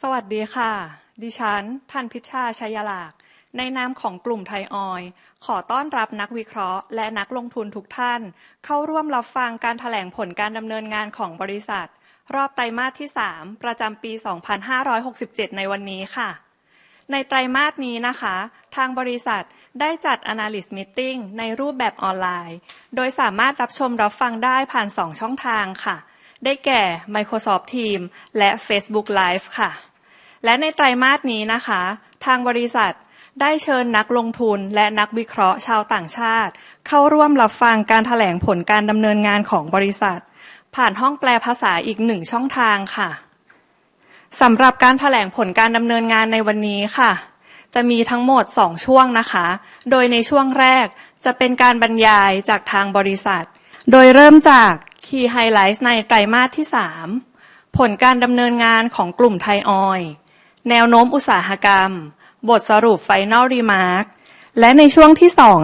สวัสดีค่ะดิฉันธันย์พิชชาไชยหลากในนามของกลุ่มไทยออยล์ขอต้อนรับนักวิเคราะห์และนักลงทุนทุกท่านเข้าร่วมรับฟังการแถลงผลการดำเนินงานของบริษัทรอบไตรมาสที่3ประจำปี2567ในวันนี้ค่ะในไตรมาสนี้ทางบริษัทได้จัด Analyst Meeting ในรูปแบบออนไลน์โดยสามารถรับชมรับฟังได้ผ่านสองช่องทางค่ะได้แก่ Microsoft Teams และ Facebook Live ค่ะและในไตรมาสนี้ทางบริษัทได้เชิญนักลงทุนและนักวิเคราะห์ชาวต่างชาติเข้าร่วมรับฟังการแถลงผลการดำเนินงานของบริษัทผ่านห้องแปลภาษาอีกหนึ่งช่องทางค่ะสำหรับการแถลงผลการดำเนินงานในวันนี้ค่ะจะมีทั้งหมดสองช่วงโดยในช่วงแรกจะเป็นการบรรยายจากทางบริษัทโดยเริ่มจาก Key Highlights ในไตรมาสที่3ผลการดำเนินงานของกลุ่มไทยออยล์แนวโน้มอุตสาหกรรมบทสรุป Final Remarks และในช่วงที่สอง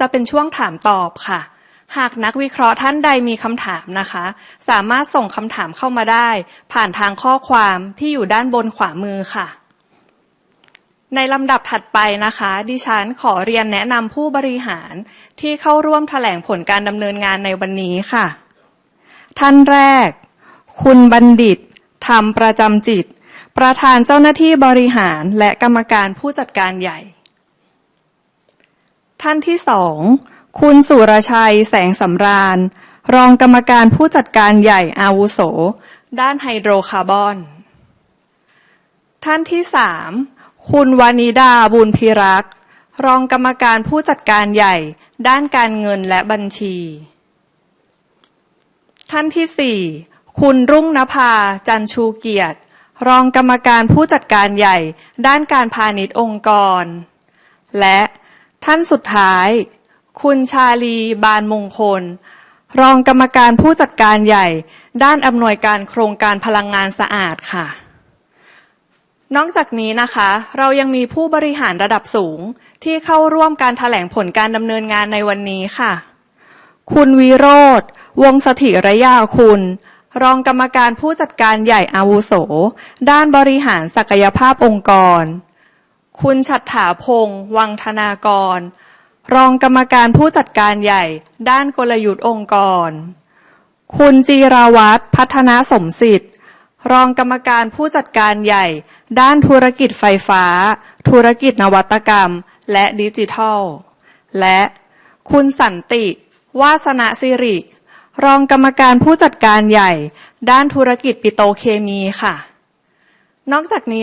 จะเป็นช่วงถามตอบค่ะหากนักวิเคราะห์ท่านใดมีคำถามสามารถส่งคำถามเข้ามาได้ผ่านทางข้อความที่อยู่ด้านบนขวามือค่ะในลำดับถัดไปดิฉันขอเรียนแนะนำผู้บริหารที่เข้าร่วมแถลงผลการดำเนินงานในวันนี้ค่ะท่านแรกคุณบัณฑิตธรรมประจำจิตประธานเจ้าหน้าที่บริหารและกรรมการผู้จัดการใหญ่ท่านที่สองคุณสุรชัยแสงสำราญรองกรรมการผู้จัดการใหญ่อาวุโสด้านไฮโดรคาร์บอนท่านที่สามคุณวนิดาบุญพีรักษ์รองกรรมการผู้จัดการใหญ่ด้านการเงินและบัญชีท่านที่สี่คุณรุ่งนภาจันทร์ชูเกียรติรองกรรมการผู้จัดการใหญ่ด้านการพาณิชย์องค์กรและท่านสุดท้ายคุณชาลีบานมงคลรองกรรมการผู้จัดการใหญ่ด้านอำนวยการโครงการพลังงานสะอาดค่ะนอกจากนี้เรายังมีผู้บริหารระดับสูงที่เข้าร่วมการแถลงผลการดำเนินงานในวันนี้ค่ะคุณวิโรจน์วงศ์สถิรยาคุณรองกรรมการผู้จัดการใหญ่อาวุโสด้านบริหารศักยภาพองค์กรคุณฉัตรฐาพงศ์วรรธนากรรองกรรมการผู้จัดการใหญ่ด้านกลยุทธ์องค์กรคุณจิราวัฒน์พัฒนสมสิทธิ์รองกรรมการผู้จัดการใหญ่ด้านธุรกิจไฟฟ้าธุรกิจนวัตกรรมและดิจิทัลและคุณสันติวาสนะศิริรองกรรมการผู้จัดการใหญ่ด้านธุรกิจปิโตรเคมีค่ะนอกจากนี้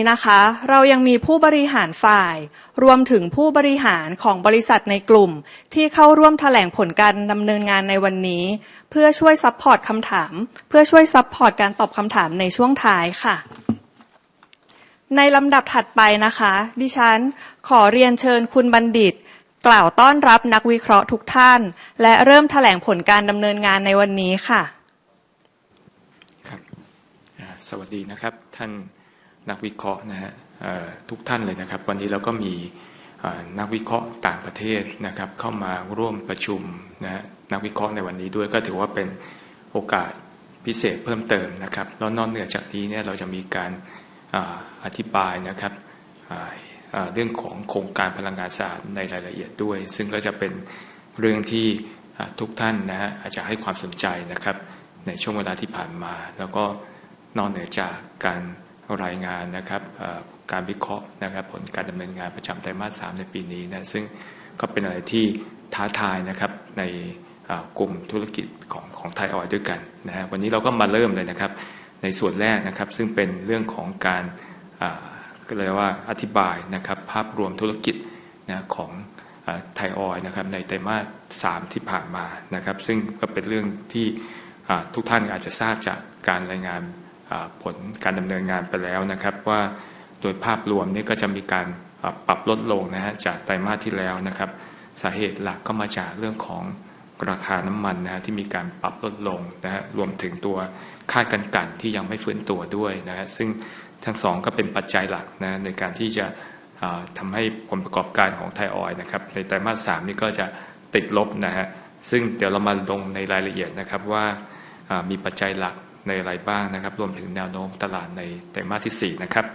เรายังมีผู้บริหารฝ่ายรวมถึงผู้บริหารของบริษัทในกลุ่มที่เข้าร่วมแถลงผลการดำเนินงานในวันนี้เพื่อช่วยซัพพอร์ตการตอบคำถามในช่วงท้ายค่ะในลำดับถัดไปดิฉันขอเรียนเชิญคุณบัณฑิตกล่าวต้อนรับนักวิเคราะห์ทุกท่านและเริ่มแถลงผลการดำเนินงานในวันนี้ค่ะครับสวัสดีนะครับท่านนักวิเคราะห์นะครับทุกท่านเลยนะครับวันนี้เราก็มีนักวิเคราะห์ต่างประเทศนะครับเข้ามาร่วมประชุมนักวิเคราะห์ในวันนี้ด้วยก็ถือว่าเป็นโอกาสพิเศษเพิ่มเติมนะครับแล้วนอกเหนือจากนี้เราจะมีการอธิบายนะครับเรื่องของโครงการพลังงานสะอาดในรายละเอียดด้วยซึ่งก็จะเป็นเรื่องที่ทุกท่านอาจจะให้ความสนใจนะครับในช่วงเวลาที่ผ่านมาแล้วก็นอกเหนือจากการรายงานนะครับการวิเคราะห์นะครับผลการดำเนินงานประจำไตรมาส3ในปีนี้นะซึ่งก็เป็นอะไรที่ท้าทายนะครับในกลุ่มธุรกิจของไทย Oil ด้วยกันนะครับวันนี้เราก็มาเริ่มเลยนะครับในส่วนแรกนะครับซึ่งเป็นเรื่องของการเขาเรียกว่าอธิบายนะครับภาพรวมธุรกิจของไทย Oil นะครับในไตรมาส3ที่ผ่านมานะครับซึ่งก็เป็นเรื่องที่ทุกท่านอาจจะทราบจากการรายงานผลการดำเนินงานไปแล้วนะครับว่าโดยภาพรวมนี่ก็จะมีการปรับลดลงนะครับจากไตรมาสที่แล้วนะครับสาเหตุหลักก็มาจากเรื่องของราคาน้ำมันนะครับที่มีการปรับลดลงนะครับรวมถึงตัวค่ากำกลั่นที่ยังไม่ฟื้นตัวด้วยนะครับซึ่งทั้งสองก็เป็นปัจจัยหลักนะครับในการที่จะทำให้ผลประกอบการของไทย Oil นะครับในไตรมาส3นี่ก็จะติดลบนะครับซึ่งเดี๋ยวเรามาลงในรายละเอียดนะครับว่ามีปัจจัยหลักในอะไรบ้างนะครับรวมถึงแนวโน้มตลาดในไตรมาสที่4นะครับ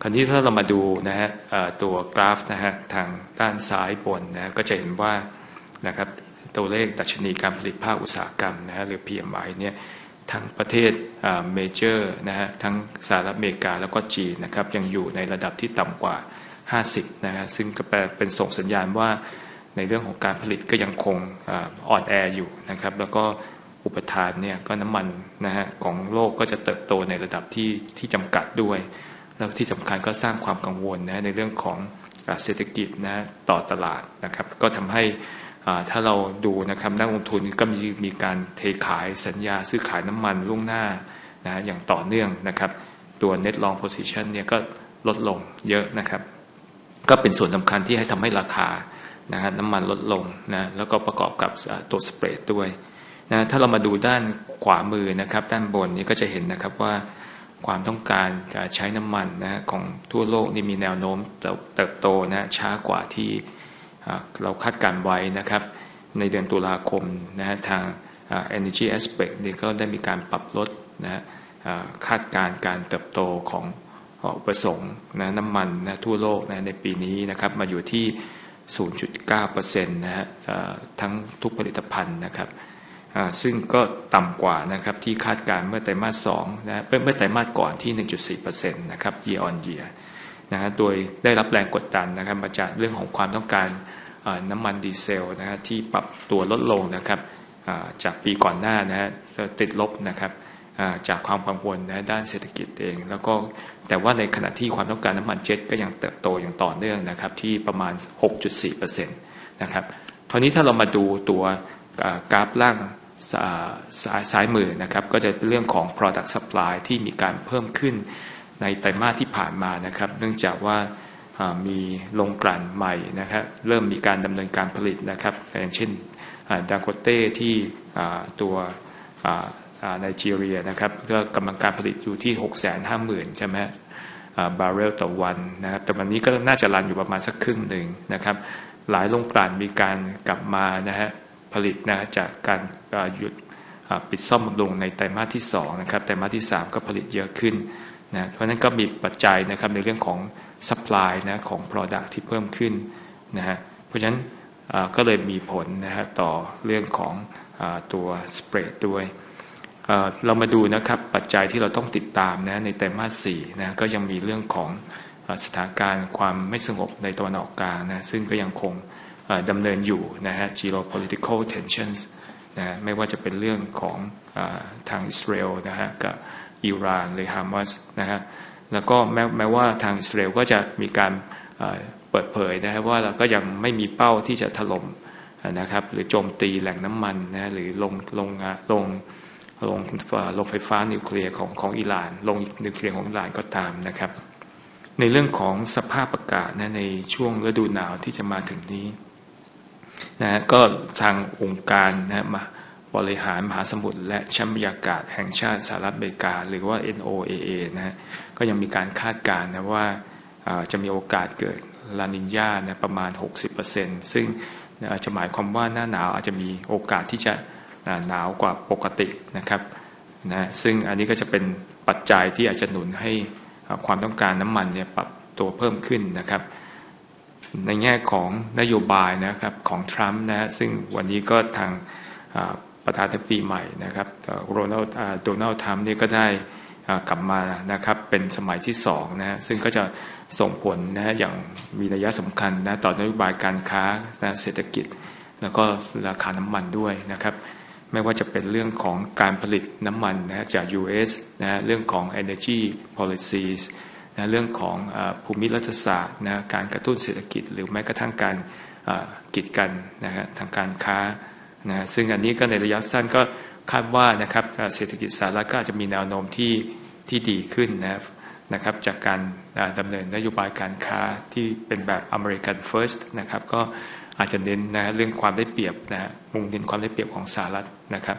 คราวนี้ถ้าเรามาดูนะครับตัวกราฟนะครับทางด้านซ้ายบนนะครับก็จะเห็นว่านะครับตัวเลขดัชนีการผลิตภาคอุตสาหกรรมนะครับหรือ PMI นี่ทั้งประเทศเมเจอร์นะครับทั้งสหรัฐอเมริกาแล้วก็จีนนะครับยังอยู่ในระดับที่ต่ำกว่า50นะครับซึ่งก็แปลเป็นส่งสัญญาณว่าในเรื่องของการผลิตก็ยังคงอ่อนแออยู่นะครับแล้วก็อุปทานนี่ก็น้ำมันนะครับของโลกก็จะเติบโตในระดับที่จำกัดด้วยแล้วที่สำคัญก็สร้างความกังวลนะครับในเรื่องของเศรษฐกิจนะครับต่อตลาดนะครับก็ทำให้ถ้าเราดูนะครับนักลงทุนก็มีการเทขายสัญญาซื้อขายน้ำมันล่วงหน้านะครับอย่างต่อเนื่องนะครับตัว Net Long Position นี่ก็ลดลงเยอะนะครับก็เป็นส่วนสำคัญที่ให้ทำให้ราคาน้ำมันลดลงนะครับแล้วก็ประกอบกับตัวสเปรดด้วยนะครับถ้าเรามาดูด้านขวามือนะครับด้านบนนี่ก็จะเห็นนะครับว่าความต้องการจะใช้น้ำมันนะครับของทั่วโลกนี่มีแนวโน้มเติบโตนะครับช้ากว่าที่เราคาดการณ์ไว้นะครับในเดือนตุลาคมนะครับทาง Energy Aspect นี่ก็ได้มีการปรับลดนะครับคาดการณ์การเติบโตของอุปสงค์น้ำมันนะครับทั่วโลกนะครับในปีนี้นะครับมาอยู่ที่ 0.9% นะครับทั้งทุกผลิตภัณฑ์นะครับซึ่งก็ต่ำกว่านะครับที่คาดการณ์เมื่อไตรมาส2นะครับเมื่อไตรมาสก่อนที่ 1.4% นะครับ Year on Year นะครับโดยได้รับแรงกดดันนะครับมาจากเรื่องของความต้องการน้ำมันดีเซลนะครับที่ปรับตัวลดลงนะครับจากปีก่อนหน้านะครับติดลบนะครับจากความกังวลนะครับด้านเศรษฐกิจเองแล้วก็แต่ว่าในขณะที่ความต้องการน้ำมันเจ็ทก็ยังเติบโตอย่างต่อเนื่องนะครับที่ประมาณ 6.4% นะครับคราวนี้ถ้าเรามาดูตัวกราฟล่างซ้ายมือนะครับก็จะเป็นเรื่องของ Product Supply ที่มีการเพิ่มขึ้นในไตรมาสที่ผ่านมานะครับเนื่องจากว่ามีโรงกลั่นใหม่นะครับเริ่มมีการดำเนินการผลิตนะครับอย่างเช่นดาโกเต้ที่ตัวไนจีเรียนะครับก็กำลังการผลิตอยู่ที่ 650,000 ใช่ไหมครับบาร์เรลต่อวันนะครับแต่วันนี้ก็น่าจะรันอยู่ประมาณสักครึ่งหนึ่งนะครับหลายโรงกลั่นมีการกลับมานะครับผลิตนะครับจากการหยุดปิดซ่อมลงในไตรมาสที่2นะครับไตรมาสที่3ก็ผลิตเยอะขึ้นนะครับเพราะฉะนั้นก็มีปัจจัยนะครับในเรื่องของ Supply นะครับของ Product ที่เพิ่มขึ้นนะครับเพราะฉะนั้นก็เลยมีผลนะครับต่อเรื่องของตัวสเปรดด้วยเรามาดูนะครับปัจจัยที่เราต้องติดตามนะครับในไตรมาส4นะครับก็ยังมีเรื่องของสถานการณ์ความไม่สงบในตะวันออกกลางนะครับซึ่งก็ยังคงดำเนินอยู่นะครับ Geopolitical Tensions นะครับไม่ว่าจะเป็นเรื่องของทางอิสราเอลนะครับกับอิหร่านหรือฮามาสนะครับแล้วก็แม้ว่าทางอิสราเอลก็จะมีการเปิดเผยนะครับว่าเราก็ยังไม่มีเป้าที่จะถล่มนะครับหรือโจมตีแหล่งน้ำมันนะครับหรือโรงไฟฟ้านิวเคลียร์ของอิหร่านโรงนิวเคลียร์ของอิหร่านก็ตามนะครับในเรื่องของสภาพอากาศนะครับในช่วงฤดูหนาวที่จะมาถึงนี้นะครับก็ทางองค์การบริหารมหาสมุทรและชั้นบรรยากาศแห่งชาติสหรัฐอเมริกาหรือว่า NOAA นะครับก็ยังมีการคาดการณ์นะครับว่าจะมีโอกาสเกิดลาเนียประมาณ 60% ซึ่งอาจจะหมายความว่าหน้าหนาวอาจจะมีโอกาสที่จะหนาวกว่าปกตินะครับซึ่งอันนี้ก็จะเป็นปัจจัยที่อาจจะหนุนให้ความต้องการน้ำมันนี่ปรับตัวเพิ่มขึ้นนะครับในแง่ของนโยบายนะครับของทรัมป์นะครับซึ่งวันนี้ก็ทางประธานาธิบดีใหม่นะครับโดนัลด์ทรัมป์นี่ก็ได้กลับมานะครับเป็นสมัยที่สองนะครับซึ่งก็จะส่งผลนะครับอย่างมีนัยสำคัญนะครับต่อนโยบายการค้าเศรษฐกิจแล้วก็ราคาน้ำมันด้วยนะครับไม่ว่าจะเป็นเรื่องของการผลิตน้ำมันนะครับจาก US นะครับเรื่องของ Energy Policies นะครับเรื่องของภูมิรัฐศาสตร์นะครับการกระตุ้นเศรษฐกิจหรือแม้กระทั่งการกีดกันนะครับทางการค้านะครับซึ่งอันนี้ก็ในระยะสั้นก็คาดว่านะครับเศรษฐกิจสหรัฐก็อาจจะมีแนวโน้มที่ดีขึ้นนะครับจากการดำเนินนโยบายการค้าที่เป็นแบบ American First นะครับก็อาจจะเน้นนะครับเรื่องความได้เปรียบนะครับมุ่งเน้นความได้เปรียบของสหรัฐนะครับ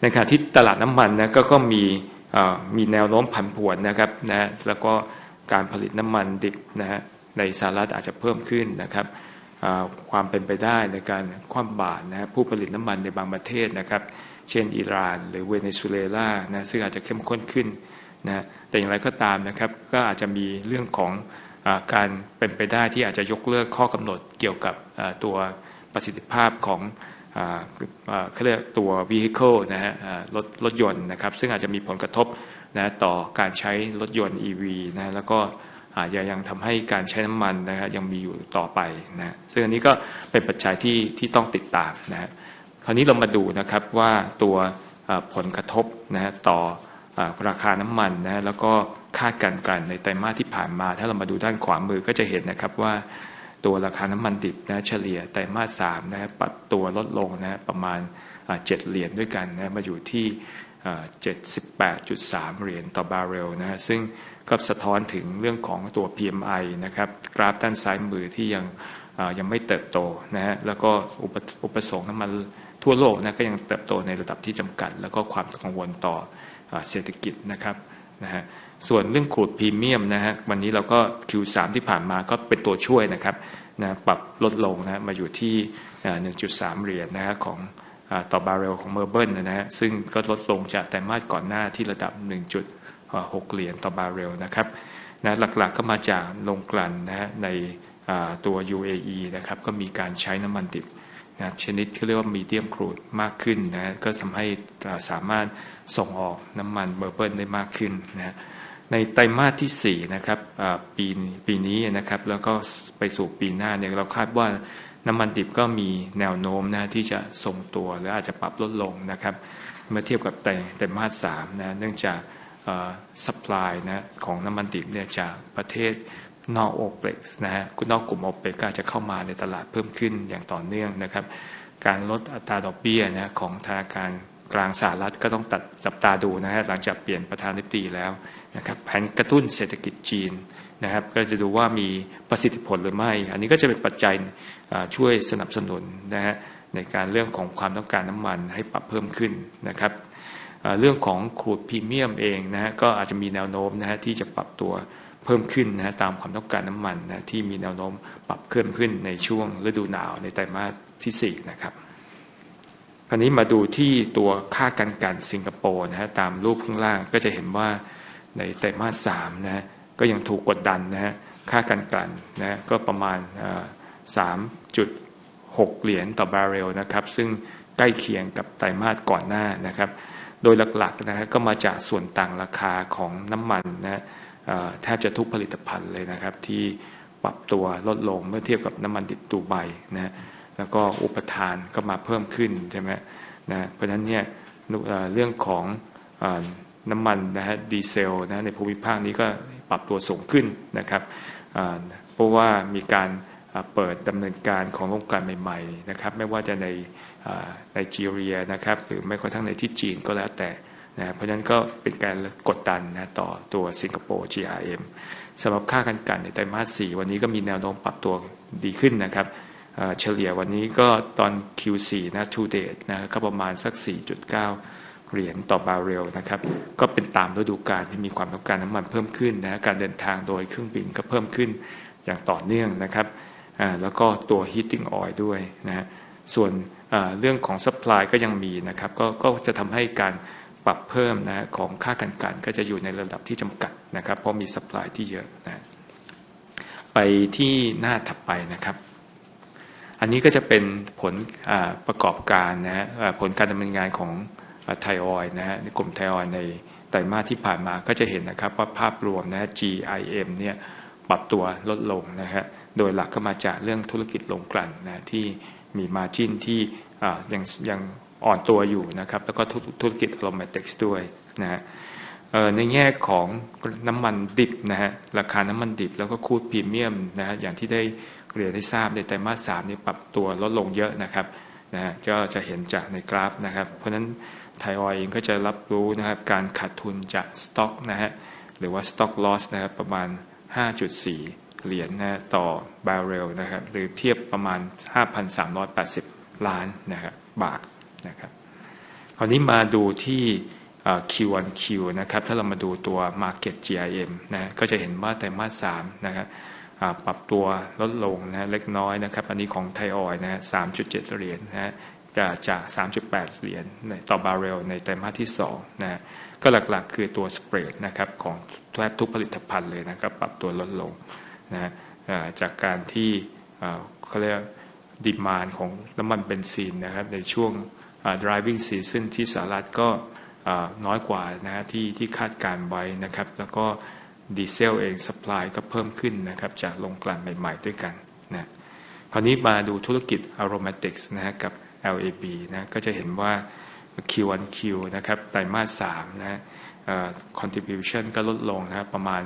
ในขณะที่ตลาดน้ำมันนะครับก็มีแนวโน้มผันผวนนะครับแล้วก็การผลิตน้ำมันดิบนะครับในสหรัฐอาจจะเพิ่มขึ้นนะครับความเป็นไปได้ในการคว่ำบาตรนะครับผู้ผลิตน้ำมันในบางประเทศนะครับเช่นอิหร่านหรือเวเนซุเอลานะครับซึ่งอาจจะเข้มข้นขึ้นนะครับแต่อย่างไรก็ตามนะครับก็อาจจะมีเรื่องของการเป็นไปได้ที่อาจจะยกเลิกข้อกำหนดเกี่ยวกับตัวประสิทธิภาพของเขาเรียกว่าตัว Vehicle นะครับรถยนต์นะครับซึ่งอาจจะมีผลกระทบนะครับต่อการใช้รถยนต์ EV นะครับแล้วก็อาจจะยังทำให้การใช้น้ำมันนะครับยังมีอยู่ต่อไปนะครับซึ่งอันนี้ก็เป็นปัจจัยที่ต้องติดตามนะครับคราวนี้เรามาดูนะครับว่าตัวผลกระทบนะครับต่อราคาน้ำมันนะครับแล้วก็ค่ากำกลั่นในไตรมาสที่ผ่านมาถ้าเรามาดูด้านขวามือก็จะเห็นนะครับว่าตัวราคาน้ำมันดิบนะครับเฉลี่ยไตรมาส3นะครับปรับตัวลดลงนะครับประมาณ $7 ด้วยกันนะครับมาอยู่ที่ $78.3 ต่อบาร์เรลนะครับซึ่งก็สะท้อนถึงเรื่องของตัว PMI นะครับกราฟด้านซ้ายมือที่ยังไม่เติบโตนะครับแล้วก็อุปสงค์น้ำมันทั่วโลกนะครับก็ยังเติบโตในระดับที่จำกัดแล้วก็ความกังวลต่อเศรษฐกิจนะครับส่วนเรื่องขูดพรีเมียมนะครับวันนี้เราก็ Q3 ที่ผ่านมาก็เป็นตัวช่วยนะครับปรับลดลงนะครับมาอยู่ที่ $1.3 นะครับของต่อบาร์เรลของเมอร์เบิลนะครับซึ่งก็ลดลงจากไตรมาสก่อนหน้าที่ระดับ $1.6 ต่อบาร์เรลนะครับหลักๆก็มาจากโรงกลั่นนะครับในตัว UAE นะครับก็มีการใช้น้ำมันดิบนะครับชนิดเขาเรียกว่า Medium Crude มากขึ้นนะครับก็ทำให้สามารถส่งออกน้ำมันเมอร์เบิลได้มากขึ้นนะครับในไตรมาสที่4นะครับปีนี้นะครับแล้วก็ไปสู่ปีหน้าเราคาดว่าน้ำมันดิบก็มีแนวโน้มนะครับที่จะทรงตัวหรืออาจจะปรับลดลงนะครับเมื่อเทียบกับไตรมาส3นะครับเนื่องจาก Supply นะครับของน้ำมันดิบเนี่ยจากประเทศนอก OPEC นะครับนอกกลุ่ม OPEC ก็อาจจะเข้ามาในตลาดเพิ่มขึ้นอย่างต่อเนื่องนะครับการลดอัตราดอกเบี้ยนะครับของธนาคารกลางสหรัฐก็ต้องจับตาดูนะครับหลังจากเปลี่ยนประธานาธิบดีแล้วนะครับแผนกระตุ้นเศรษฐกิจจีนนะครับก็จะดูว่ามีประสิทธิผลหรือไม่อันนี้ก็จะเป็นปัจจัยช่วยสนับสนุนนะครับในการเรื่องของความต้องการน้ำมันให้ปรับเพิ่มขึ้นนะครับเรื่องของขูดพรีเมียมเองนะครับก็อาจจะมีแนวโน้มนะครับที่จะปรับตัวเพิ่มขึ้นนะครับตามความต้องการน้ำมันนะครับที่มีแนวโน้มปรับเพิ่มขึ้นในช่วงฤดูหนาวในไตรมาสที่4นะครับคราวนี้มาดูที่ตัวค่ากำกลั่นสิงคโปร์นะครับตามรูปข้างล่างก็จะเห็นว่าในไตรมาส3นะครับก็ยังถูกกดดันนะครับค่ากำกลั่นนะครับก็ประมาณ $3.6 ต่อบาร์เรลนะครับซึ่งใกล้เคียงกับไตรมาสก่อนหน้านะครับโดยหลักๆนะครับก็มาจากส่วนต่างราคาของน้ำมันนะครับแทบจะทุกผลิตภัณฑ์เลยนะครับที่ปรับตัวลดลงเมื่อเทียบกับน้ำมันดิบดูไบนะครับแล้วก็อุปทานก็มาเพิ่มขึ้นใช่ไหมครับเพราะฉะนั้นนี่เรื่องของน้ำมันนะครับดีเซลนะครับในภูมิภาคนี้ก็ปรับตัวสูงขึ้นนะครับเพราะว่ามีการเปิดดำเนินการของโรงกลั่นใหม่ๆนะครับไม่ว่าจะในไนจีเรียนะครับหรือแม้กระทั่งในที่จีนก็แล้วแต่นะครับเพราะฉะนั้นก็เป็นการกดดันนะครับต่อตัวสิงคโปร์ GRM สำหรับค่ากำกลั่นในไตรมาส4วันนี้ก็มีแนวโน้มปรับตัวดีขึ้นนะครับเฉลี่ยวันนี้ก็ตอน Q4 นะครับ To Date นะครับก็ประมาณสัก $4.9 ต่อบาร์เรลนะครับก็เป็นตามฤดูกาลที่มีความต้องการน้ำมันเพิ่มขึ้นนะครับการเดินทางโดยเครื่องบินก็เพิ่มขึ้นอย่างต่อเนื่องนะครับแล้วก็ตัว Heating Oil ด้วยนะครับส่วนเรื่องของ Supply ก็ยังมีนะครับก็จะทำให้การปรับเพิ่มนะครับของค่ากำกลั่นก็จะอยู่ในระดับที่จำกัดนะครับเพราะมี Supply ที่เยอะนะครับไปที่หน้าถัดไปนะครับอันนี้ก็จะเป็นผลประกอบการนะครับผลการดำเนินงานของไทย Oil นะครับในกลุ่มไทย Oil ในไตรมาสที่ผ่านมาก็จะเห็นนะครับว่าภาพรวมนะครับ GRM นี่ปรับตัวลดลงนะครับโดยหลักก็มาจากเรื่องธุรกิจโรงกลั่นนะครับที่มี Margin ที่ยังอ่อนตัวอยู่นะครับแล้วก็ธุรกิจ Aromatics ด้วยนะครับในแง่ของน้ำมันดิบนะครับราคาน้ำมันดิบแล้วก็ขูดพรีเมียมนะครับอย่างที่ได้เรียนให้ทราบในไตรมาส3นี่ปรับตัวลดลงเยอะนะครับก็จะเห็นจากในกราฟนะครับเพราะฉะนั้นไทย Oil เองก็จะรับรู้นะครับการขาดทุนจาก Stock นะครับหรือว่า Stock Loss นะครับประมาณ $5.4 นะครับต่อบาร์เรลนะครับหรือเทียบประมาณ 5,380 ล้านนะครับบาทนะครับคราวนี้มาดูที่ Q on Q นะครับถ้าเรามาดูตัว Market GRM นะครับก็จะเห็นว่าไตรมาส3นะครับปรับตัวลดลงนะครับเล็กน้อยนะครับอันนี้ของไทย Oil นะครับ $3.7 นะครับจาก $3.8 ต่อบาร์เรลในไตรมาสที่2นะครับก็หลักๆคือตัวสเปรดนะครับของแทบทุกผลิตภัณฑ์เลยนะครับปรับตัวลดลงนะครับจากการที่เขาเรียกว่า Demand ของน้ำมันเบนซินนะครับในช่วง Driving Season ที่สหรัฐก็น้อยกว่านะครับที่คาดการณ์ไว้นะครับแล้วก็ดีเซลเอง Supply ก็เพิ่มขึ้นนะครับจากโรงกลั่นใหม่ๆด้วยกันนะครับคราวนี้มาดูธุรกิจ Aromatics นะครับกับ LAB นะครับก็จะเห็นว่า Q on Q นะครับไตรมาส3นะครับ Contribution ก็ลดลงนะครับประมาณ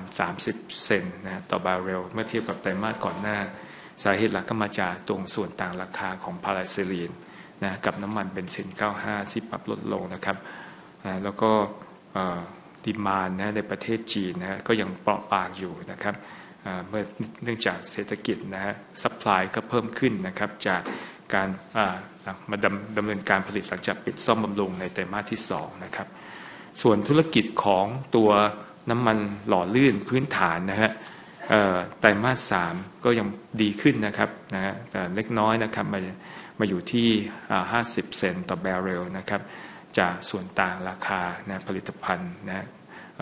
30% นะครับต่อบาร์เรลเมื่อเทียบกับไตรมาสก่อนหน้าสาเหตุหลักก็มาจากตรงส่วนต่างราคาของพาราไซลีนนะครับกับน้ำมันเบนซิน95ที่ปรับลดลงนะครับแล้วก็ Demand นะครับในประเทศจีนนะครับก็ยังเปราะบางอยู่นะครับเมื่อเนื่องจากเศรษฐกิจนะครับ Supply ก็เพิ่มขึ้นนะครับจากการมาดำเนินการผลิตหลังจากปิดซ่อมบำรุงในไตรมาสที่2นะครับส่วนธุรกิจของตัวน้ำมันหล่อลื่นพื้นฐานนะครับไตรมาส3ก็ยังดีขึ้นนะครับแต่เล็กน้อยนะครับมาอยู่ที่ 50% ต่อบาร์เรลนะครับจากส่วนต่างราคานะครับผลิตภัณฑ์นะครับ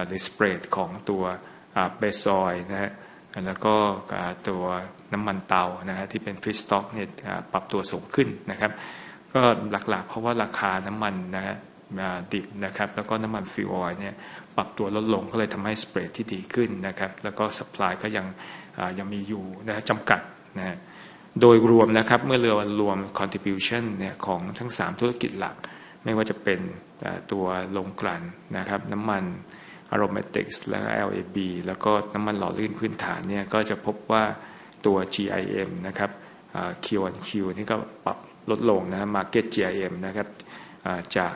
หรือสเปรดของตัวเบสออยล์นะครับแล้วก็ตัวน้ำมันเตานะครับที่เป็น Fuel Stock นี่ปรับตัวสูงขึ้นนะครับก็หลักๆเพราะว่าราคาน้ำมันนะครับดิบนะครับแล้วก็น้ำมันฟิวส์ออยล์นี่ปรับตัวลดลงก็เลยทำให้สเปรดที่ดีขึ้นนะครับแล้วก็ Supply ก็ยังมีอยู่นะครับจำกัดนะครับโดยรวมนะครับเมื่อเรารวม Contribution นี่ของทั้ง3ธุรกิจหลักไม่ว่าจะเป็นตัวโรงกลั่นนะครับน้ำมัน Aromatics แล้วก็ LAB แล้วก็น้ำมันหล่อลื่นพื้นฐานนี่ก็จะพบว่าตัว GRM นะครับ Q on Q นี่ก็ปรับลดลงนะครับ Market GRM นะครับจาก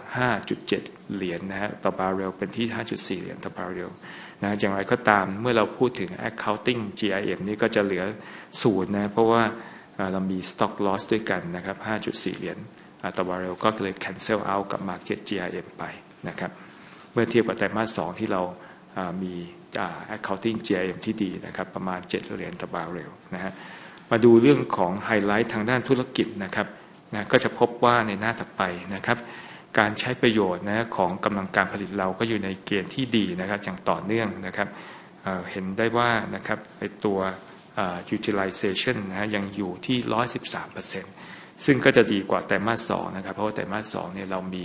$5.7 นะครับต่อบาร์เรลเป็นที่ $5.4 ต่อบาร์เรลนะครับอย่างไรก็ตามเมื่อเราพูดถึง Accounting GRM นี่ก็จะเหลือ0นะครับเพราะว่าเรามี Stock Loss ด้วยกันนะครับ $5.4 ต่อบาร์เรลก็เลย Cancel Out กับ Market GRM ไปนะครับเมื่อเทียบกับไตรมาส2ที่เรามี Accounting GRM ที่ดีนะครับประมาณ $7 ต่อบาร์เรลนะครับมาดูเรื่องของไฮไลท์ทางด้านธุรกิจนะครับก็จะพบว่าในหน้าถัดไปนะครับการใช้ประโยชน์นะครับของกำลังการผลิตเราก็อยู่ในเกณฑ์ที่ดีนะครับอย่างต่อเนื่องนะครับเห็นได้ว่านะครับตัว Utilization นะครับยังอยู่ที่ 113% ซึ่งก็จะดีกว่าไตรมาส2นะครับเพราะว่าไตรมาส2นี่เรามี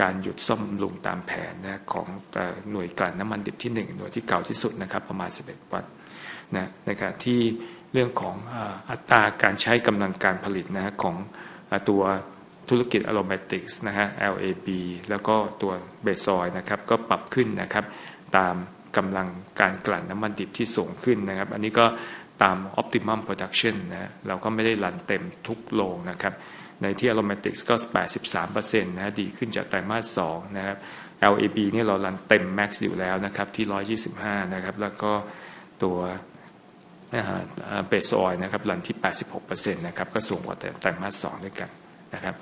การหยุดซ่อมบำรุงตามแผนนะครับของหน่วยกลั่นน้ำมันดิบที่1หน่วยที่เก่าที่สุดนะครับประมาณ11วันนะครับในขณะที่เรื่องของอัตราการใช้กำลังการผลิตนะครับของตัวธุรกิจ Aromatics นะครับ LAB แล้วก็ตัวเบสออยล์นะครับก็ปรับขึ้นนะครับตามกำลังการกลั่นน้ำมันดิบที่สูงขึ้นนะครับอันนี้ก็ตาม Optimum Production นะครับเราก็ไม่ได้รันเต็มทุกโรงนะครับในที่ Aromatics ก็ 83% นะครับดีขึ้นจากไตรมาส2นะครับ LAB นี่เรารันเต็ม Max อยู่แล้วนะครับที่ 125% นะครับแล้วก็ตัวเบสออยล์นะครับรันที่ 86% นะครับก็สูงกว่าไตรมาส2ด้วยกันนะครับ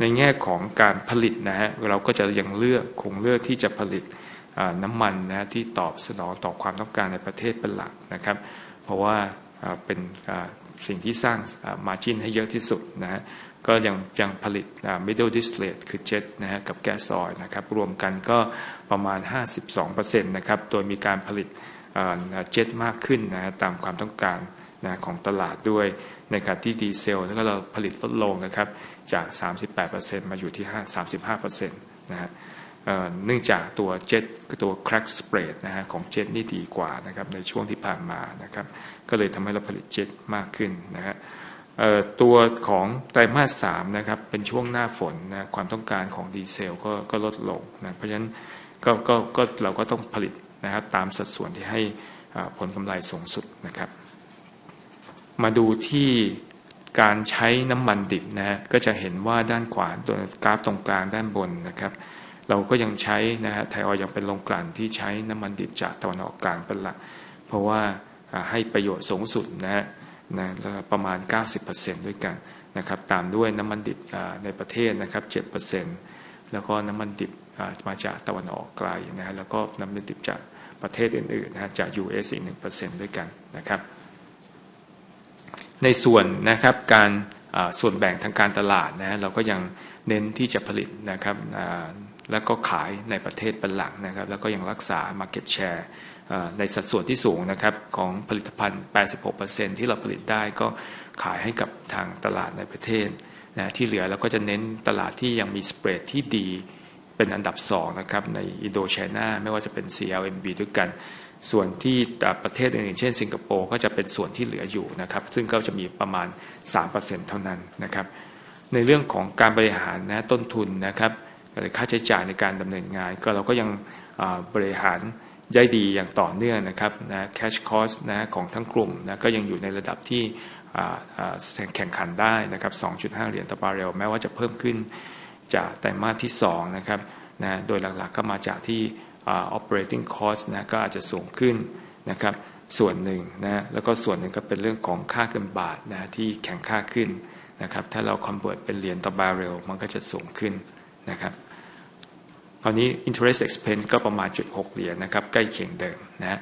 ในแง่ของการผลิตนะครับเราก็จะยังเลือกคงเลือกที่จะผลิตน้ำมันนะครับที่ตอบสนองต่อความต้องการในประเทศเป็นหลักนะครับเพราะว่าเป็นสิ่งที่สร้าง Margin ให้เยอะที่สุดนะครับก็ยังผลิต Middle Distillate คือเจ็ทนะครับกับแก๊สออยล์นะครับรวมกันก็ประมาณ 52% นะครับโดยมีการผลิตเจ็ทมากขึ้นนะครับตามความต้องการของตลาดด้วยในขณะที่ดีเซลนี่ก็เราผลิตลดลงนะครับจาก 38% มาอยู่ที่ 35% นะครับเนื่องจากตัวเจ็ทคือตัว Crack Spread นะครับของเจ็ทนี่ดีกว่านะครับในช่วงที่ผ่านมานะครับก็เลยทำให้เราผลิตเจ็ทมากขึ้นนะครับตัวของไตรมาส3นะครับเป็นช่วงหน้าฝนนะครับความต้องการของดีเซลก็ลดลงนะครับเพราะฉะนั้นเราก็ต้องผลิตนะครับตามสัดส่วนที่ให้ผลกำไรสูงสุดนะครับมาดูที่การใช้น้ำมันดิบนะครับก็จะเห็นว่าด้านขวาตัวกราฟตรงกลางด้านบนนะครับเราก็ยังใช้นะครับไทย Oil ยังเป็นโรงกลั่นที่ใช้น้ำมันดิบจากตะวันออกกลางเป็นหลักเพราะว่าให้ประโยชน์สูงสุดนะครับประมาณ 90% ด้วยกันนะครับตามด้วยน้ำมันดิบในประเทศนะครับ 7% แล้วก็น้ำมันดิบมาจากตะวันออกไกลนะครับแล้วก็น้ำมันดิบจากประเทศอื่นๆนะครับจาก US อีก 1% ด้วยกันนะครับในส่วนนะครับการส่วนแบ่งทางการตลาดนะครับเราก็ยังเน้นที่จะผลิตนะครับแล้วก็ขายในประเทศเป็นหลักนะครับแล้วก็ยังรักษา Market Share ในสัดส่วนที่สูงนะครับของผลิตภัณฑ์ 86% ที่เราผลิตได้ก็ขายให้กับทางตลาดในประเทศนะครับที่เหลือเราก็จะเน้นตลาดที่ยังมีสเปรดที่ดีเป็นอันดับ2นะครับในอินโดไชน่าไม่ว่าจะเป็น CLMV ด้วยกันส่วนที่ประเทศอื่นๆเช่นสิงคโปร์ก็จะเป็นส่วนที่เหลืออยู่นะครับซึ่งก็จะมีประมาณ 3% เท่านั้นนะครับในเรื่องของการบริหารนะครับต้นทุนนะครับหรือค่าใช้จ่ายในการดำเนินงานก็เราก็ยังบริหารได้ดีอย่างต่อเนื่องนะครับ Cash Cost นะครับของทั้งกลุ่มนะก็ยังอยู่ในระดับที่แข่งขันได้นะครับ $2.5 ต่อบาร์เรลแม้ว่าจะเพิ่มขึ้นจากไตรมาสที่2นะครับโดยหลักๆก็มาจากที่ Operating Cost นะก็อาจจะสูงขึ้นนะครับส่วนหนึ่งนะครับแล้วก็ส่วนหนึ่งก็เป็นเรื่องของค่าเงินบาทนะครับที่แข็งค่าขึ้นนะครับถ้าเรา Convert เป็นเหรียญต่อบาร์เรลมันก็จะสูงขึ้นนะครับคราวนี้ Interest Expense ก็ประมาณ $0.6 นะครับใกล้เคียงเดิมนะครับ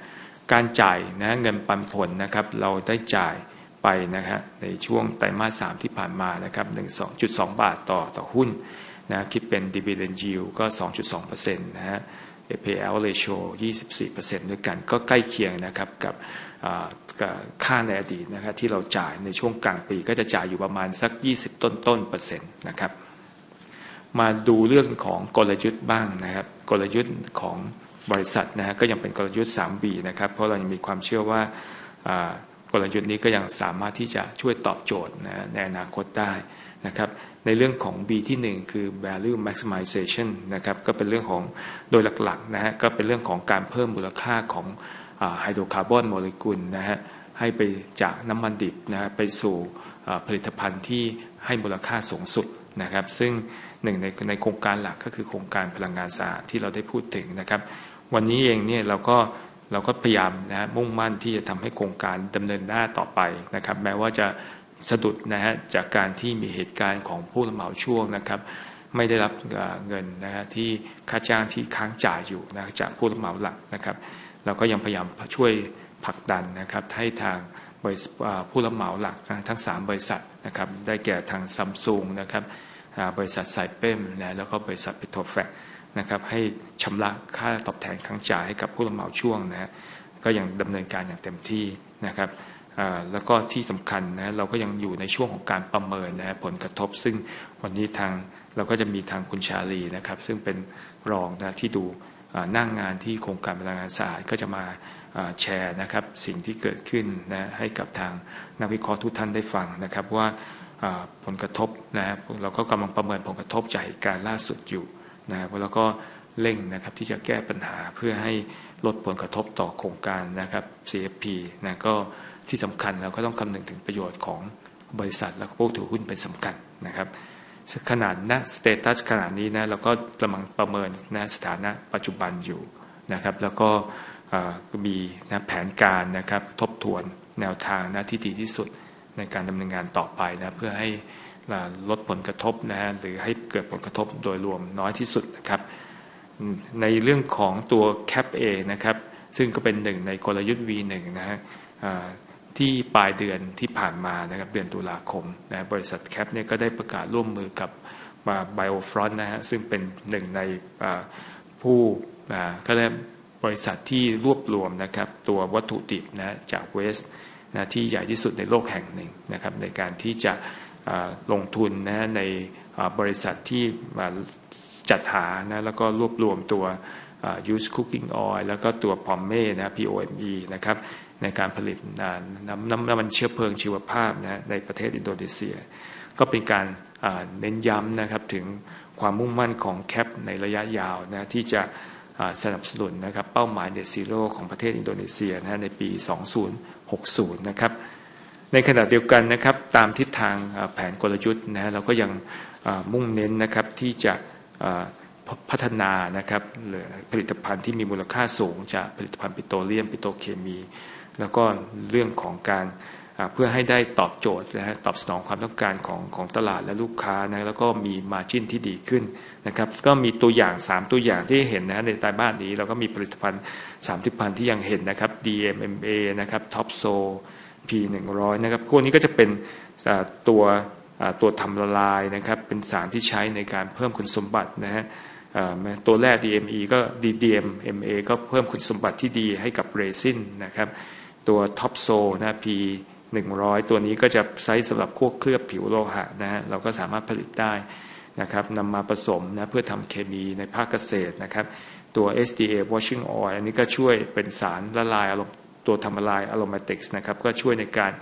การจ่ายนะครับเงินปันผลนะครับเราได้จ่ายไปนะครับในช่วงไตรมาส3ที่ผ่านมานะครับ 12.2 บาทต่อหุ้นนะครับคิดเป็น Dividend Yield ก็ 2.2% นะครับ Payout Ratio 24% ด้วยกันก็ใกล้เคียงนะครับกับค่าในอดีตนะครับที่เราจ่ายในช่วงกลางปีก็จะจ่ายอยู่ประมาณสัก20ต้นๆเปอร์เซ็นต์นะครับมาดูเรื่องของกลยุทธ์บ้างนะครับกลยุทธ์ของบริษัทนะครับก็ยังเป็นกลยุทธ์ 3V นะครับเพราะเรายังมีความเชื่อว่ากลยุทธ์นี้ก็ยังสามารถที่จะช่วยตอบโจทย์นะครับในอนาคตได้นะครับในเรื่องของ V ที่1คือ Value Maximization นะครับก็เป็นเรื่องของโดยหลักๆนะครับก็เป็นเรื่องของการเพิ่มมูลค่าของไฮโดรคาร์บอนโมเลกุลนะครับให้ไปจากน้ำมันดิบนะครับไปสู่ผลิตภัณฑ์ที่ให้มูลค่าสูงสุดนะครับซึ่งหนึ่งในโครงการหลักก็คือโครงการพลังงานสะอาดที่เราได้พูดถึงนะครับวันนี้เองนี่เราก็พยายามนะครับมุ่งมั่นที่จะทำให้โครงการดำเนินหน้าต่อไปนะครับแม้ว่าจะสะดุดนะครับจากการที่มีเหตุการณ์ของผู้รับเหมาช่วงนะครับไม่ได้รับเงินนะครับที่ค่าจ้างที่ค้างจ่ายอยู่นะครับจากผู้รับเหมาหลักนะครับเราก็ยังพยายามช่วยผลักดันนะครับให้ทางผู้รับเหมาหลักทั้ง3บริษัทนะครับได้แก่ทาง Samsung นะครับบริษัท CTCI นะครับแล้วก็บริษัท Petrofac นะครับให้ชำระค่าตอบแทนค้างจ่ายให้กับผู้รับเหมาช่วงนะครับก็ยังดำเนินการอย่างเต็มที่นะครับแล้วก็ที่สำคัญนะครับเราก็ยังอยู่ในช่วงของการประเมินนะครับผลกระทบซึ่งวันนี้ทางเราก็จะมีทางคุณชาลีนะครับซึ่งเป็นรองนะครับที่ดูหน้างานที่โครงการพลังงานสะอาดก็จะมาแชร์นะครับสิ่งที่เกิดขึ้นนะครับให้กับทางนักวิเคราะห์ทุกท่านได้ฟังนะครับว่าผลกระทบนะครับเราก็กำลังประเมินผลกระทบจากเหตุการณ์ล่าสุดอยู่นะครับแล้วก็เร่งนะครับที่จะแก้ปัญหาเพื่อให้ลดผลกระทบต่อโครงการนะครับ CFP นะก็ที่สำคัญเราก็ต้องคำนึงถึงประโยชน์ของบริษัทแล้วก็ผู้ถือหุ้นเป็นสำคัญนะครับขณะณสเตตัสขณะนี้นะเราก็กำลังประเมินนะครับสถานะปัจจุบันอยู่นะครับแล้วก็มีแผนการนะครับทบทวนแนวทางนะครับที่ดีที่สุดในการดำเนินงานต่อไปนะครับเพื่อให้ลดผลกระทบนะครับหรือให้เกิดผลกระทบโดยรวมน้อยที่สุดนะครับในเรื่องของตัว CAPA นะครับซึ่งก็เป็นหนึ่งในกลยุทธ์ V1 นะครับที่ปลายเดือนที่ผ่านมานะครับเดือนตุลาคมนะครับบริษัท CAPA นี่ก็ได้ประกาศร่วมมือกับ Biofuels นะครับซึ่งเป็นหนึ่งในผู้เขาเรียกว่าบริษัทที่รวบรวมนะครับตัววัตถุดิบนะครับจาก Waste นะครับที่ใหญ่ที่สุดในโลกแห่งหนึ่งนะครับในการที่จะลงทุนนะครับในบริษัทที่จัดหานะครับแล้วก็รวบรวมตัว Used Cooking Oil แล้วก็ตัว POME นะครับ POME นะครับในการผลิตน้ำมันเชื้อเพลิงชีวภาพนะครับในประเทศอินโดนีเซียก็เป็นการเน้นย้ำนะครับถึงความมุ่งมั่นของ CAPA ในระยะยาวนะครับที่จะสนับสนุนนะครับเป้าหมาย Net Zero ของประเทศอินโดนีเซียนะครับในปี2060นะครับในขณะเดียวกันนะครับตามทิศทางแผนกลยุทธ์นะครับเราก็ยังมุ่งเน้นนะครับที่จะพัฒนานะครับผลิตภัณฑ์ที่มีมูลค่าสูงจากผลิตภัณฑ์ปิโตรเลียมปิโตรเคมีแล้วก็เรื่องของการเพื่อให้ได้ตอบโจทย์นะครับตอบสนองความต้องการของตลาดและลูกค้านะครับแล้วก็มี Margin ที่ดีขึ้นนะครับก็มีตัวอย่าง3ตัวอย่างที่เห็นนะครับในไตรมาสนี้เราก็มีผลิตภัณฑ์3ผลิตภัณฑ์ที่ยังเห็นนะครับ DMMA นะครับ Topsol P100 นะครับพวกนี้ก็จะเป็นตัวทำละลายนะครับเป็นสารที่ใช้ในการเพิ่มคุณสมบัตินะครับตัวแรก DMMA ก็เพิ่มคุณสมบัติที่ดีให้กับเรซินนะครับตัว Topsol P100 ตัวนี้ก็จะใช้สำหรับพวกเคลือบผิวโลหะนะครับเราก็สามารถผลิตได้นะครับนำมาผสมนะเพื่อทำเคมีในภาคเกษตรนะครับตัว SDA Washing Oil อันนี้ก็ช่วยเป็นสารละลายตัวทำละลาย Aromatics นะครับก็ช่วยในการ